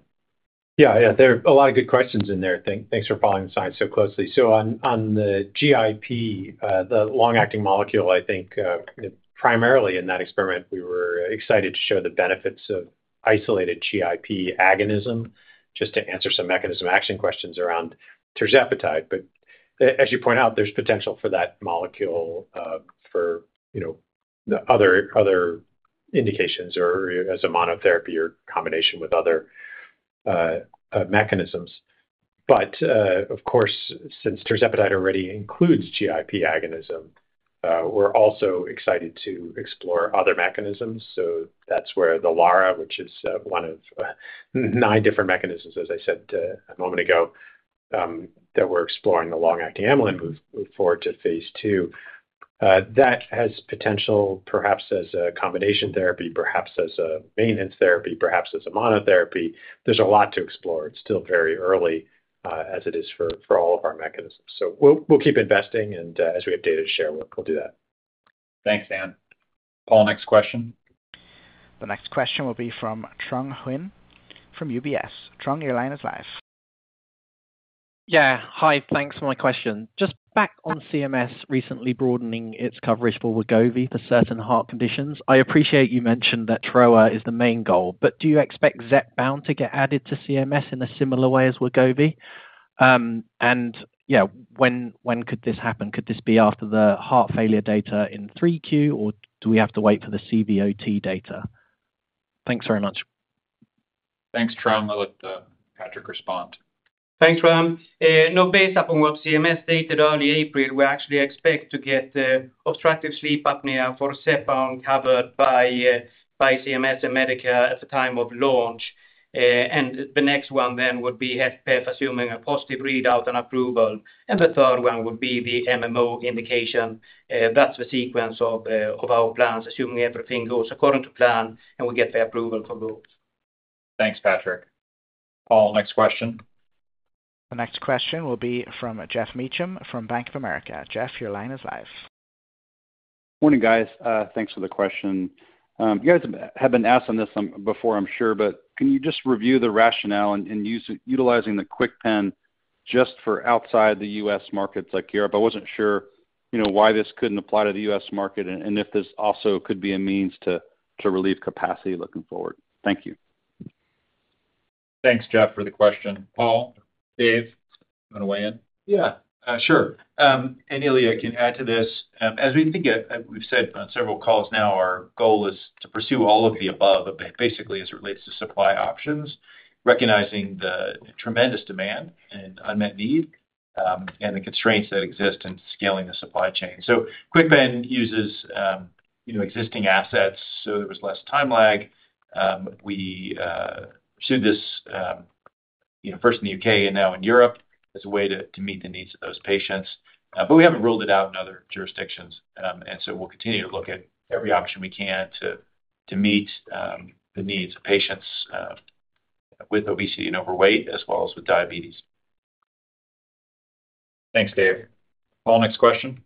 yeah, there are a lot of good questions in there. Thanks for following the science so closely. So on the GIP, the long-acting molecule, I think primarily in that experiment, we were excited to show the benefits of isolated GIP agonism, just to answer some mechanism action questions around tirzepatide. But as you point out, there's potential for that molecule for, you know, other indications or as a monotherapy or combination with other mechanisms. But of course, since tirzepatide already includes GIP agonism, we're also excited to explore other mechanisms. So that's where the LARA, which is one of nine different mechanisms, as I said a moment ago, that we're exploring the long-acting amylin move forward to phase two. That has potential, perhaps as a combination therapy, perhaps as a maintenance therapy, perhaps as a monotherapy. There's a lot to explore. It's still very early, as it is for all of our mechanisms. So we'll keep investing, and as we have data to share, we'll do that. Thanks, Dan. Paul, next question. The next question will be from Trung Huynh from UBS. Trung, your line is live. Yeah. Hi, thanks for my question. Just back on CMS recently broadening its coverage for Wegovy for certain heart conditions. I appreciate you mentioned that TROA is the main goal, but do you expect Zepbound to get added to CMS in a similar way as Wegovy? And yeah, when could this happen? Could this be after the heart failure data in 3Q, or do we have to wait for the CVOT data? Thanks very much. Thanks, Trung. I'll let Patrik respond. Thanks, Trung. No, based upon what CMS stated early April, we actually expect to get obstructive sleep apnea for Zepbound covered by CMS and Medicare at the time of launch. And the next one then would be HFpEF, assuming a positive readout and approval, and the third one would be the MMO indication. That's the sequence of our plans, assuming everything goes according to plan, and we get the approval for both. Thanks, Patrik. Paul, next question. The next question will be from Geoff Meacham from Bank of America. Geoff, your line is live. Morning, guys. Thanks for the question. You guys have been asked on this before, I'm sure, but can you just review the rationale in utilizing the KwikPen just for outside the U.S. markets like Europe? I wasn't sure, you know, why this couldn't apply to the U.S. market and if this also could be a means to relieve capacity looking forward. Thank you. Thanks, Geoff, for the question. Paul, Dave, you want to weigh in? Yeah, sure. And Ilya, I can add to this. As we think about... We've said on several calls now, our goal is to pursue all of the above, basically, as it relates to supply options, recognizing the tremendous demand and unmet need, and the constraints that exist in scaling the supply chain. So KwikPen uses, you know, existing assets, so there was less time lag. We pursued this, you know, first in the UK and now in Europe as a way to meet the needs of those patients. But we haven't ruled it out in other jurisdictions. And so we'll continue to look at every option we can to meet the needs of patients with obesity and overweight, as well as with diabetes. Thanks, Dave. Paul, next question.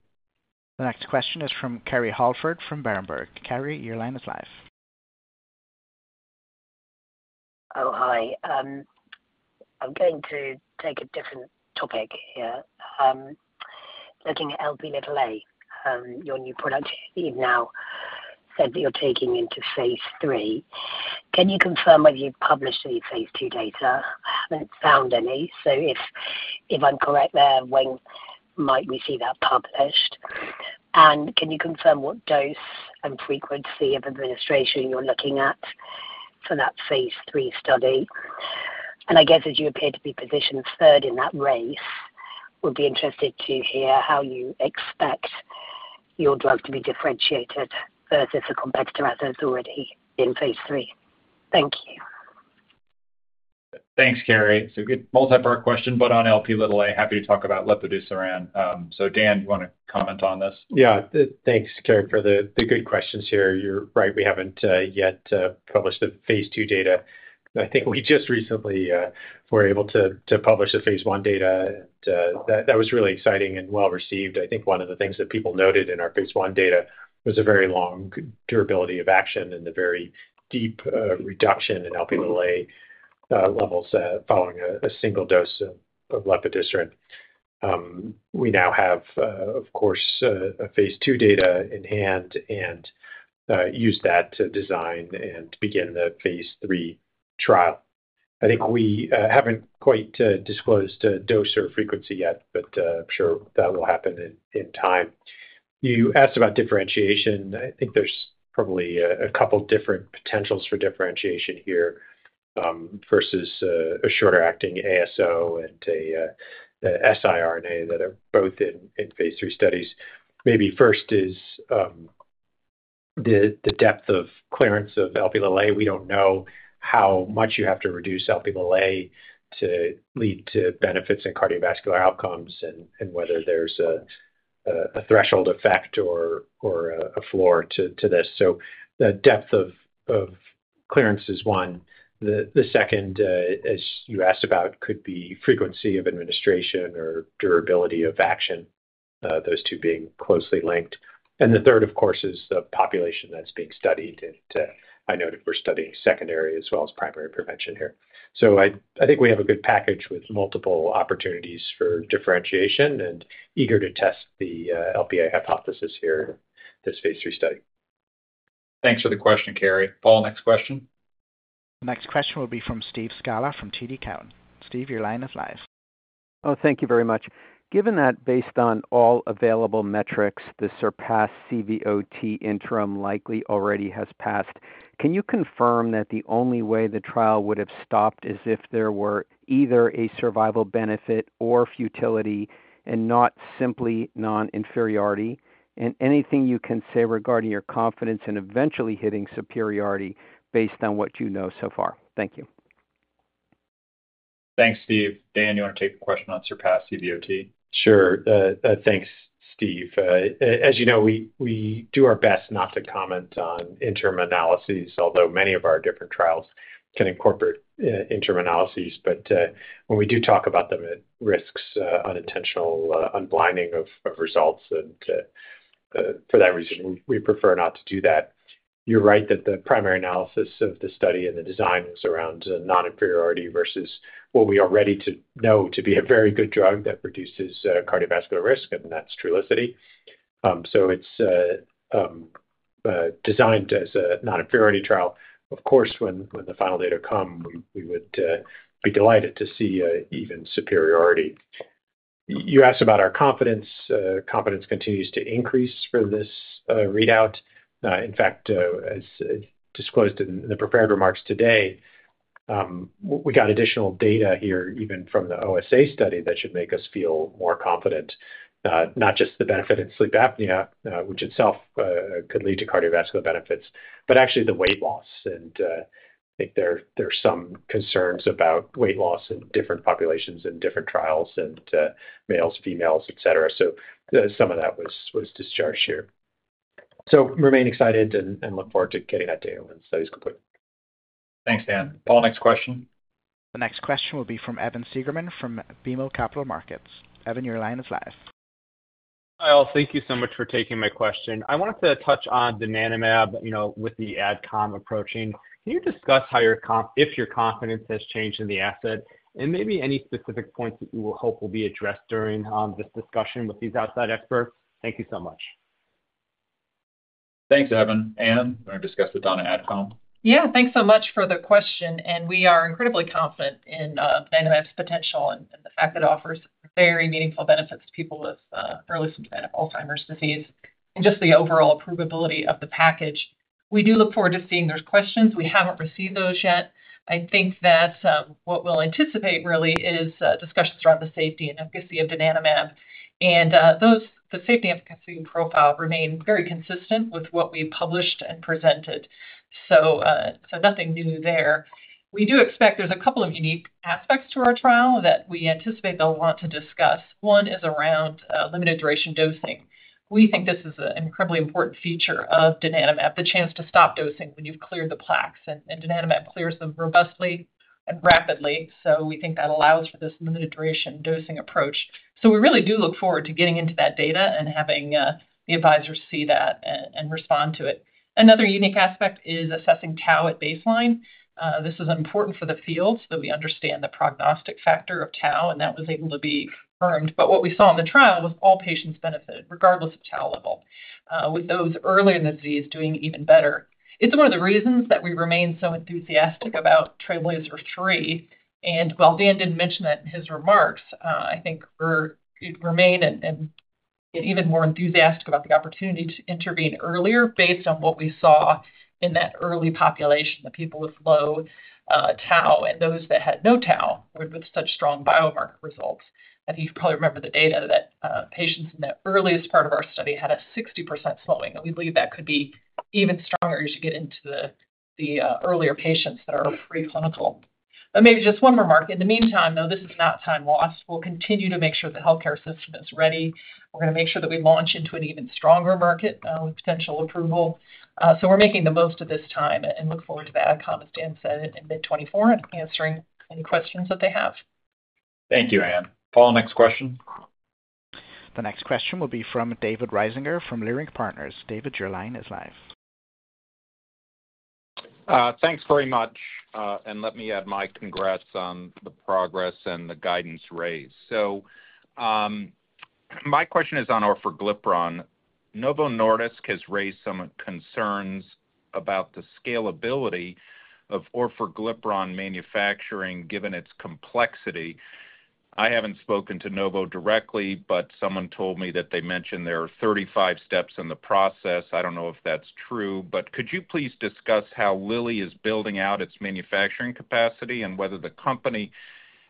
The next question is from Kerry Holford from Berenberg. Kerry, your line is live. Oh, hi. I'm going to take a different topic here. Looking at Lp(a), your new product, you've now said that you're taking into phase 3. Can you confirm whether you've published any phase 2 data? I haven't found any, so if I'm correct there, when might we see that published? And can you confirm what dose and frequency of administration you're looking at for that phase 3 study? And I guess, as you appear to be positioned third in that race, would be interested to hear how you expect your drug to be differentiated versus a competitor out there that's already in phase 3. Thank you. Thanks, Kerry. It's a good multi-part question, but on Lp(a), happy to talk about lepodisiran. So Dan, you want to comment on this? Yeah. Thanks, Kerry, for the good questions here. You're right, we haven't yet published the phase two data. I think we just recently were able to publish the phase one data. That was really exciting and well-received. I think one of the things that people noted in our phase one data was a very long durability of action and a very deep reduction in Lp levels following a single dose of lepodisiran. We now have, of course, a phase two data in hand and use that to design and begin the phase three trial. I think we haven't quite disclosed dose or frequency yet, but I'm sure that will happen in time. You asked about differentiation. I think there's probably a couple different potentials for differentiation here, versus a shorter acting ASO and a siRNA that are both in phase 3 studies. Maybe first is the depth of clearance of Lp. We don't know how much you have to reduce Lp to lead to benefits in cardiovascular outcomes and whether there's a threshold effect or a floor to this. So the depth of clearance is one. The second, as you asked about, could be frequency of administration or durability of action, those two being closely linked. And the third, of course, is the population that's being studied, and I noted we're studying secondary as well as primary prevention here. So I think we have a good package with multiple opportunities for differentiation and eager to test the Lp hypothesis here, this phase 3 study. Thanks for the question, Kerry. Paul, next question. The next question will be from Steve Scala from TD Cowen. Steve, your line is live. Oh, thank you very much. Given that based on all available metrics, the SURPASS-CVOT interim likely already has passed, can you confirm that the only way the trial would have stopped is if there were either a survival benefit or futility and not simply non-inferiority? And anything you can say regarding your confidence in eventually hitting superiority based on what you know so far? Thank you.... Thanks, Steve. Dan, you want to take the question on SURPASS-CVOT? Sure. Thanks, Steve. As you know, we do our best not to comment on interim analyses, although many of our different trials can incorporate interim analyses. But when we do talk about them, it risks unintentional unblinding of results, and for that reason, we prefer not to do that. You're right that the primary analysis of the study and the design was around non-inferiority versus what we already know to be a very good drug that reduces cardiovascular risk, and that's Trulicity. So it's designed as a non-inferiority trial. Of course, when the final data come, we would be delighted to see even superiority. You asked about our confidence. Confidence continues to increase for this readout. In fact, as disclosed in the prepared remarks today, we got additional data here, even from the OSA study, that should make us feel more confident. Not just the benefit in sleep apnea, which itself could lead to cardiovascular benefits, but actually the weight loss. I think there are some concerns about weight loss in different populations and different trials and males, females, et cetera. Some of that was discharged here. Remain excited and look forward to getting that data when the study is complete. Thanks, Dan. Paul, next question. The next question will be from Evan Seigerman from BMO Capital Markets. Evan, your line is live. Hi, all. Thank you so much for taking my question. I wanted to touch on donanemab, you know, with the AdCom approaching. Can you discuss how your confidence has changed in the asset, and maybe any specific points that you will hope will be addressed during this discussion with these outside experts? Thank you so much. Thanks, Evan. Anne, want to discuss the donanemab AdCom? Yeah, thanks so much for the question, and we are incredibly confident in donanemab's potential and the fact that it offers very meaningful benefits to people with early-stage Alzheimer's disease, and just the overall approvability of the package. We do look forward to seeing those questions. We haven't received those yet. I think that what we'll anticipate really is discussions around the safety and efficacy of donanemab. And the safety and efficacy profile remain very consistent with what we published and presented, so nothing new there. We do expect there's a couple of unique aspects to our trial that we anticipate they'll want to discuss. One is around limited duration dosing. We think this is an incredibly important feature of donanemab, the chance to stop dosing when you've cleared the plaques, and donanemab clears them robustly and rapidly. So we think that allows for this limited duration dosing approach. So we really do look forward to getting into that data and having the advisors see that and respond to it. Another unique aspect is assessing tau at baseline. This is important for the field, so we understand the prognostic factor of tau, and that was able to be confirmed. But what we saw in the trial was all patients benefited, regardless of tau level, with those early in the disease doing even better. It's one of the reasons that we remain so enthusiastic about Trailblazer 3. While Dan didn't mention it in his remarks, I think we're—we remain and even more enthusiastic about the opportunity to intervene earlier based on what we saw in that early population of people with low tau and those that had no tau, with such strong biomarker results. You probably remember the data that patients in that earliest part of our study had a 60% slowing, and we believe that could be even stronger as you get into the earlier patients that are preclinical. Maybe just one more mark. In the meantime, though, this is not time lost. We'll continue to make sure the healthcare system is ready. We're going to make sure that we launch into an even stronger market with potential approval. So we're making the most of this time and look forward to the Ad Com, as Dan said, in mid-2024 and answering any questions that they have. Thank you, Anne. Paul, next question. The next question will be from David Risinger from Leerink Partners. David, your line is live. Thanks very much, and let me add my congrats on the progress and the guidance raised. So, my question is on orforglipron. Novo Nordisk has raised some concerns about the scalability of orforglipron manufacturing, given its complexity. I haven't spoken to Novo directly, but someone told me that they mentioned there are 35 steps in the process. I don't know if that's true, but could you please discuss how Lilly is building out its manufacturing capacity and whether the company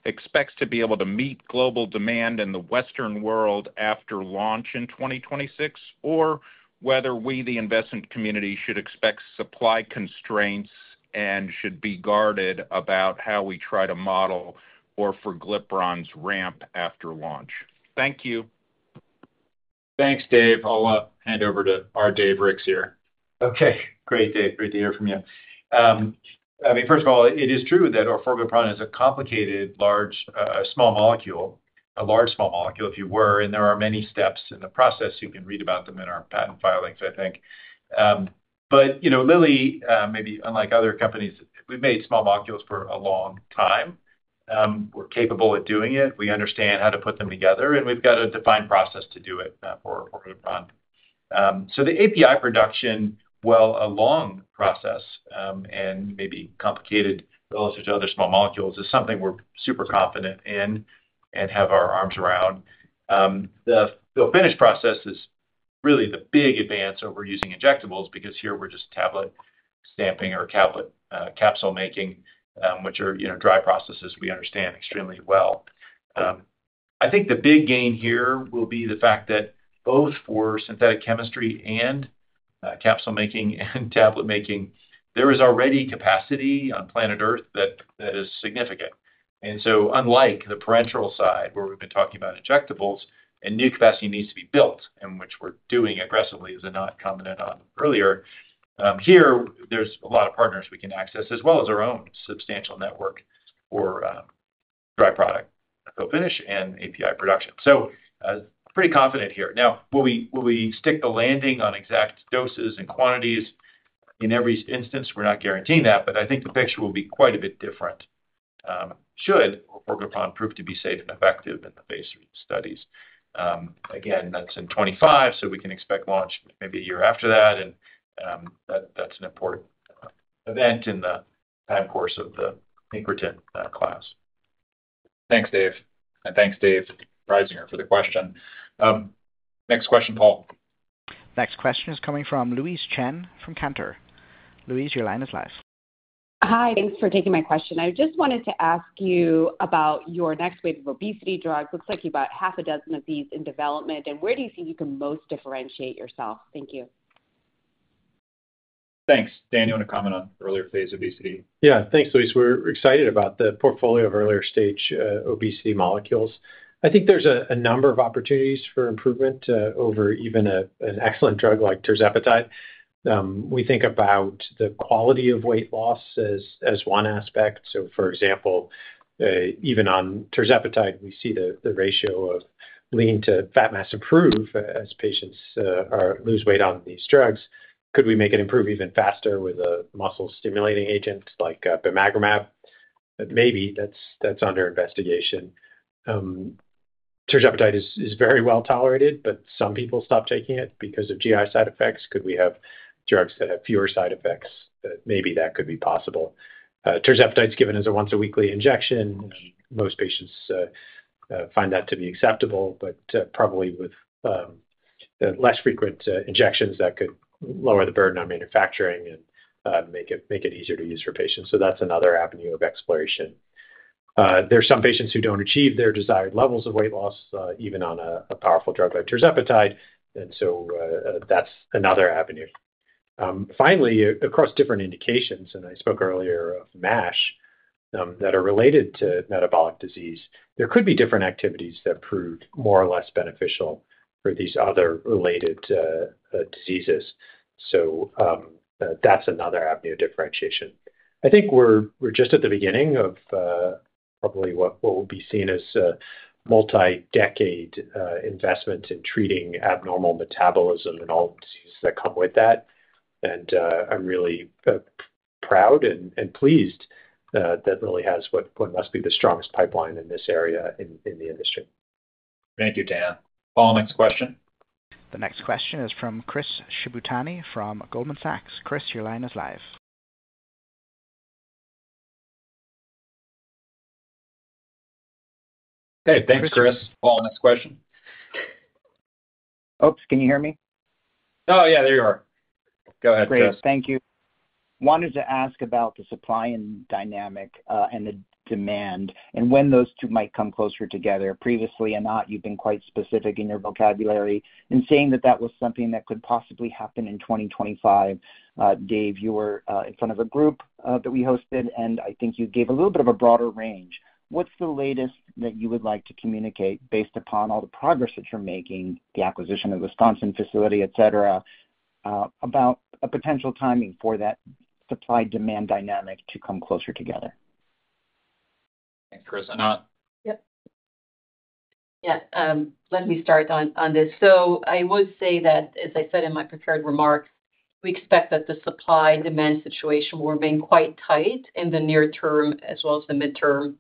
expects to be able to meet global demand in the Western world after launch in 2026? Or whether we, the investment community, should expect supply constraints and should be guarded about how we try to model orforglipron's ramp after launch. Thank you. Thanks, Dave. I'll hand over to our Dave Ricks here. Okay, great, Dave. Great to hear from you. I mean, first of all, it is true that orforglipron is a complicated, large, small molecule, a large, small molecule, if you were, and there are many steps in the process. You can read about them in our patent filings, I think. But, you know, Lilly, maybe unlike other companies, we've made small molecules for a long time. We're capable of doing it, we understand how to put them together, and we've got a defined process to do it, for orforglipron. So the API production, while a long process, and maybe complicated relative to other small molecules, is something we're super confident in and have our arms around. The finish process is really the big advance over using injectables, because here we're just tablet stamping or tablet, capsule making, which are, you know, dry processes we understand extremely well.... I think the big gain here will be the fact that both for synthetic chemistry and, capsule making and tablet making, there is already capacity on planet Earth that, that is significant. And so unlike the parenteral side, where we've been talking about injectables, and new capacity needs to be built, and which we're doing aggressively, as Anat commented on earlier, here, there's a lot of partners we can access, as well as our own substantial network for, dry product co-finish and API production. So, pretty confident here. Now, will we, will we stick the landing on exact doses and quantities in every instance? We're not guaranteeing that, but I think the picture will be quite a bit different, should orforglipron prove to be safe and effective in the phase three studies. Again, that's in 2025, so we can expect launch maybe a year after that, and, that, that's an important event in the time course of the incretin class. Thanks, Dave. And thanks, David Risinger, for the question. Next question, Paul. Next question is coming from Louise Chen from Cantor. Louise, your line is live. Hi, thanks for taking my question. I just wanted to ask you about your next wave of obesity drugs. Looks like you've about half a dozen of these in development, and where do you think you can most differentiate yourself? Thank you. Thanks. Dan, you want to comment on earlier phase obesity? Yeah. Thanks, Louise. We're excited about the portfolio of earlier stage obesity molecules. I think there's a number of opportunities for improvement over even an excellent drug like tirzepatide. We think about the quality of weight loss as one aspect. So for example, even on tirzepatide, we see the ratio of lean to fat mass improve as patients lose weight on these drugs. Could we make it improve even faster with a muscle-stimulating agent like bimagrumab? Maybe. That's under investigation. Tirzepatide is very well tolerated, but some people stop taking it because of GI side effects. Could we have drugs that have fewer side effects? Maybe that could be possible. Tirzepatide's given as a once-a-weekly injection, and most patients find that to be acceptable, but probably with the less frequent injections, that could lower the burden on manufacturing and make it, make it easier to use for patients. So that's another avenue of exploration. There are some patients who don't achieve their desired levels of weight loss even on a powerful drug like tirzepatide, and so that's another avenue. Finally, across different indications, and I spoke earlier of MASH, that are related to metabolic disease, there could be different activities that prove more or less beneficial for these other related diseases. So that's another avenue of differentiation. I think we're just at the beginning of probably what will be seen as a multi-decade investment in treating abnormal metabolism and all the diseases that come with that. And I'm really proud and pleased that Lilly has what must be the strongest pipeline in this area in the industry. Thank you, Dan. Paul, next question. The next question is from Chris Shibutani from Goldman Sachs. Chris, your line is live. Hey, thanks, Chris. Paul, next question. Oops, can you hear me? Oh, yeah, there you are. Go ahead, Chris. Great. Thank you. Wanted to ask about the supply and dynamic, and the demand, and when those two might come closer together. Previously, Anat, you've been quite specific in your vocabulary in saying that that was something that could possibly happen in 2025. Dave, you were, in front of a group, that we hosted, and I think you gave a little bit of a broader range. What's the latest that you would like to communicate based upon all the progress that you're making, the acquisition of the Wisconsin facility, et cetera, about a potential timing for that supply-demand dynamic to come closer together? Thanks, Chris. Anat? Yep. Yeah, let me start on this. So I would say that, as I said in my prepared remarks, we expect that the supply/demand situation will remain quite tight in the near term as well as the midterm.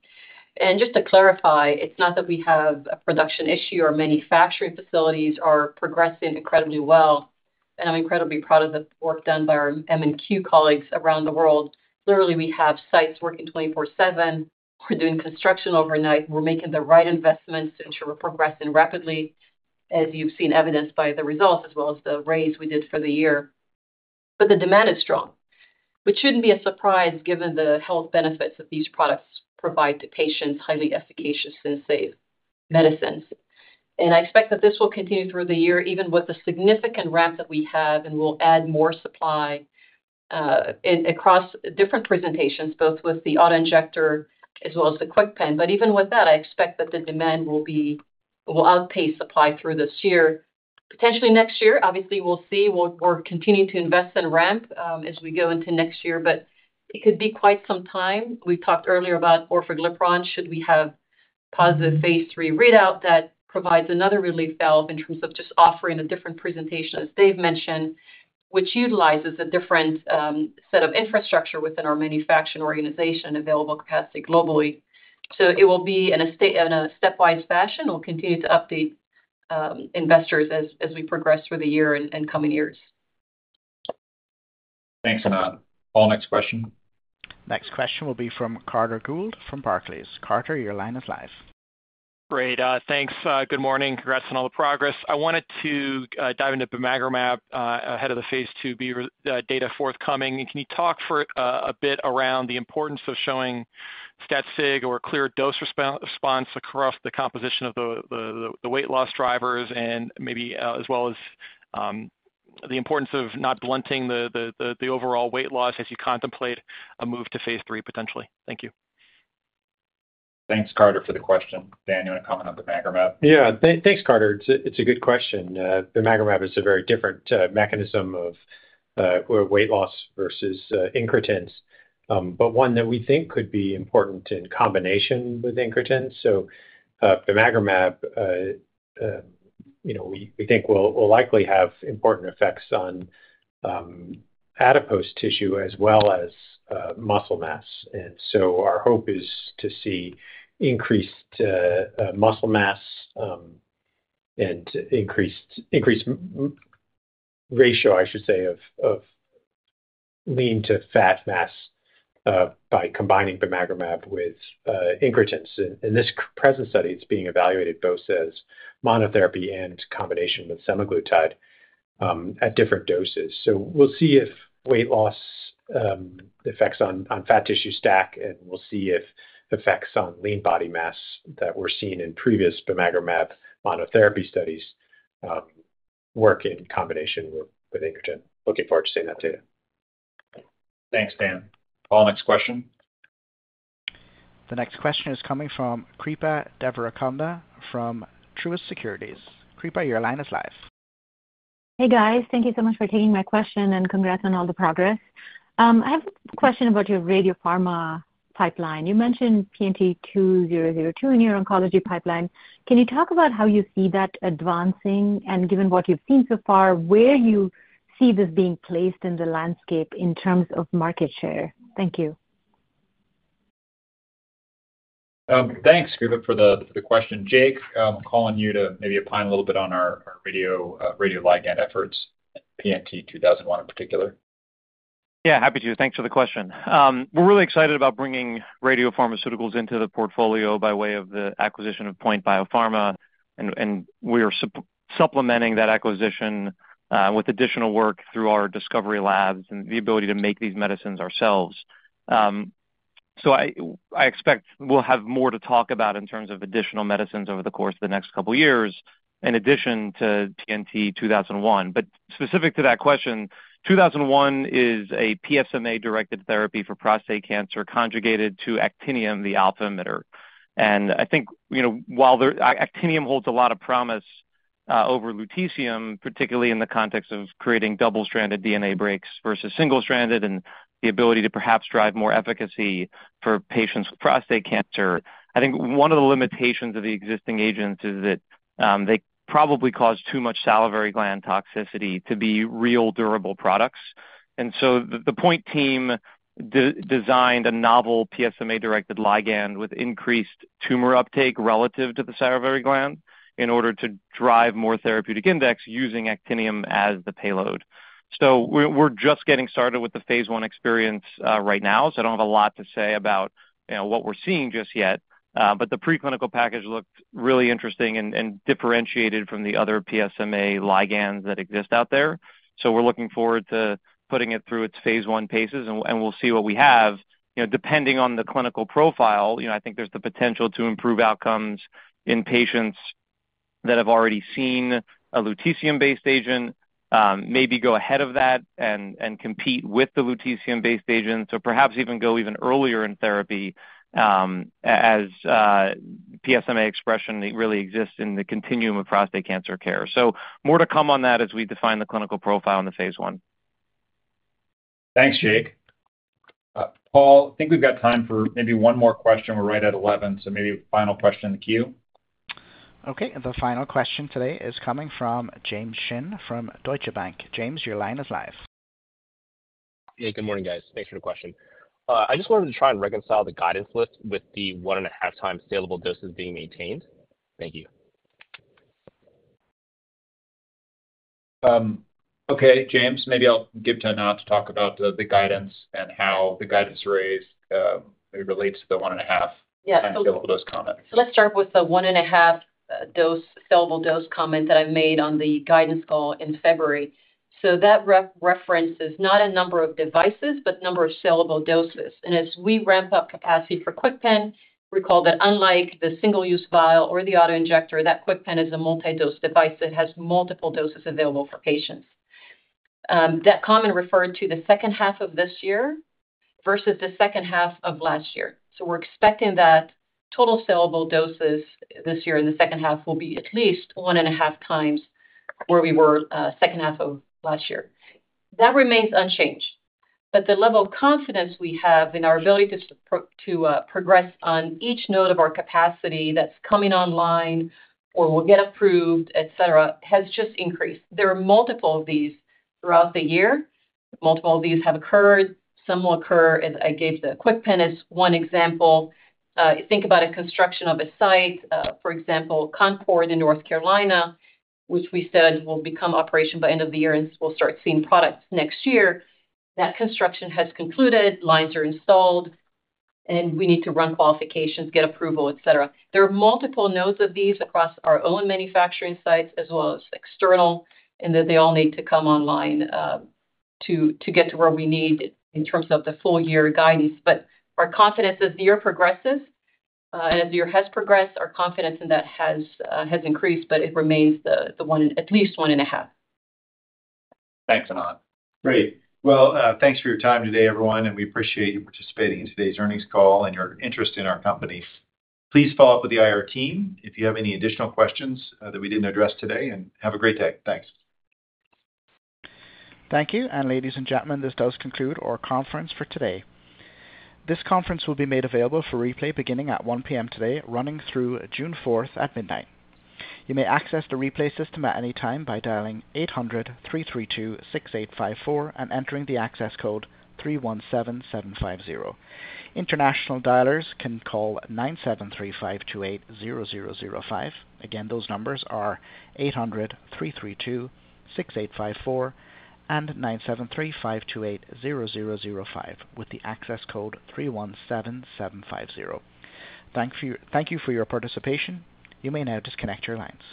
And just to clarify, it's not that we have a production issue. Our manufacturing facilities are progressing incredibly well, and I'm incredibly proud of the work done by our M&Q colleagues around the world. Literally, we have sites working 24/7. We're doing construction overnight. We're making the right investments to ensure we're progressing rapidly, as you've seen evidenced by the results, as well as the raise we did for the year. But the demand is strong, which shouldn't be a surprise given the health benefits that these products provide to patients, highly efficacious and safe medicines. I expect that this will continue through the year, even with the significant ramp that we have, and we'll add more supply across different presentations, both with the auto-injector as well as the KwikPen. But even with that, I expect that the demand will outpace supply through this year. Potentially next year, obviously, we'll see. We're continuing to invest and ramp as we go into next year, but it could be quite some time. We talked earlier about orforglipron, should we have positive phase 3 readout, that provides another relief valve in terms of just offering a different presentation, as Dave mentioned, which utilizes a different set of infrastructure within our manufacturing organization and available capacity globally. So it will be in a stepwise fashion. We'll continue to update investors as we progress through the year and coming years. Thanks, Anat. Paul, next question. Next question will be from Carter Gould from Barclays. Carter, your line is live. Great, thanks. Good morning. Congrats on all the progress. I wanted to dive into bimagrumab, ahead of the Phase 2b data forthcoming. And can you talk for a bit around the importance of showing stat sig or clear dose response across the composition of the weight loss drivers and maybe, as well as-... the importance of not blunting the overall weight loss as you contemplate a move to phase 3, potentially. Thank you. Thanks, Carter, for the question. Dan, you want to comment on the bimagrumab? Yeah. Thanks, Carter. It's a good question. The bimagrumab is a very different mechanism of where weight loss versus incretins, but one that we think could be important in combination with incretins. So, bimagrumab, you know, we think will likely have important effects on adipose tissue as well as muscle mass. And so our hope is to see increased muscle mass and increased ratio, I should say, of lean to fat mass by combining bimagrumab with incretins. In this present study, it's being evaluated both as monotherapy and combination with semaglutide at different doses. So we'll see if weight loss, effects on fat tissue stack, and we'll see if effects on lean body mass that were seen in previous bimagrumab monotherapy studies, work in combination with incretin. Looking forward to seeing that data. Thanks, Dan. Paul, next question? The next question is coming from Kreepa Devarakonda from Truist Securities. Kreepa, your line is live. Hey, guys. Thank you so much for taking my question, and congrats on all the progress. I have a question about your radiopharma pipeline. You mentioned PNT2001 in your oncology pipeline. Can you talk about how you see that advancing? And given what you've seen so far, where you see this being placed in the landscape in terms of market share? Thank you. Thanks, Kreepa, for the question. Jake, calling you to maybe opine a little bit on our radioligand efforts, PNT2001 in particular. Yeah, happy to. Thanks for the question. We're really excited about bringing radiopharmaceuticals into the portfolio by way of the acquisition of Point Biopharma, and we are supplementing that acquisition with additional work through our discovery labs and the ability to make these medicines ourselves. So I expect we'll have more to talk about in terms of additional medicines over the course of the next couple of years, in addition to PNT2001. But specific to that question, 2001 is a PSMA-directed therapy for prostate cancer, conjugated to actinium, the alpha emitter. And I think, you know, actinium holds a lot of promise over lutetium, particularly in the context of creating double-stranded DNA breaks versus single-stranded, and the ability to perhaps drive more efficacy for patients with prostate cancer. I think one of the limitations of the existing agents is that they probably cause too much salivary gland toxicity to be real durable products. And so the Point team designed a novel PSMA-directed ligand with increased tumor uptake relative to the salivary gland in order to drive more therapeutic index using actinium as the payload. So we're just getting started with the Phase One experience right now, so I don't have a lot to say about, you know, what we're seeing just yet. But the preclinical package looked really interesting and differentiated from the other PSMA ligands that exist out there. So we're looking forward to putting it through its Phase One paces, and we'll see what we have. You know, depending on the clinical profile, you know, I think there's the potential to improve outcomes in patients that have already seen a lutetium-based agent, maybe go ahead of that and, and compete with the lutetium-based agent, so perhaps even go even earlier in therapy, as PSMA expression really exists in the continuum of prostate cancer care. So more to come on that as we define the clinical profile in the phase 1. Thanks, Jake. Paul, I think we've got time for maybe one more question. We're right at 11, so maybe a final question in the queue. Okay, and the final question today is coming from James Shin from Deutsche Bank. James, your line is live. Hey, good morning, guys. Thanks for the question. I just wanted to try and reconcile the guidance list with the 1.5 times salable doses being maintained. Thank you. Okay, James. Maybe I'll give to Anat to talk about the guidance and how the guidance raised, it relates to the 1.5- Yeah. -time salable dose comment. Let's start with the 1.5 dose, salable dose comment that I made on the guidance call in February. So that reference is not a number of devices, but number of salable doses. And as we ramp up capacity for KwikPen, recall that unlike the single-use vial or the auto-injector, that KwikPen is a multi-dose device that has multiple doses available for patients. That comment referred to the H2 of this year versus the H2 of last year. So we're expecting that total salable doses this year in the H2 will be at least 1.5 times where we were H2 of last year. That remains unchanged, but the level of confidence we have in our ability to progress on each node of our capacity that's coming online or will get approved, et cetera, has just increased. There are multiple of these throughout the year. Multiple of these have occurred. Some will occur, as I gave the KwikPen as one example. Think about a construction of a site, for example, Concord, North Carolina, which we said will become operational by end of the year, and so we'll start seeing products next year. That construction has concluded, lines are installed, and we need to run qualifications, get approval, et cetera. There are multiple nodes of these across our own manufacturing sites as well as external, and that they all need to come online, to get to where we need in terms of the full year guidance. But our confidence as the year progresses, and as the year has progressed, our confidence in that has increased, but it remains the one—at least one and a half. Thanks, Anand. Great. Well, thanks for your time today, everyone, and we appreciate you participating in today's earnings call and your interest in our company. Please follow up with the IR team if you have any additional questions, that we didn't address today, and have a great day. Thanks. Thank you. And ladies and gentlemen, this does conclude our conference for today. This conference will be made available for replay beginning at 1:00 P.M. today, running through June fourth at midnight. You may access the replay system at any time by dialing 800-332-6854 and entering the access code 317750. International dialers can call 973-528-0005. Again, those numbers are 800-332-6854 and 973-528-0005, with the access code 317750. Thank you for your participation. You may now disconnect your lines.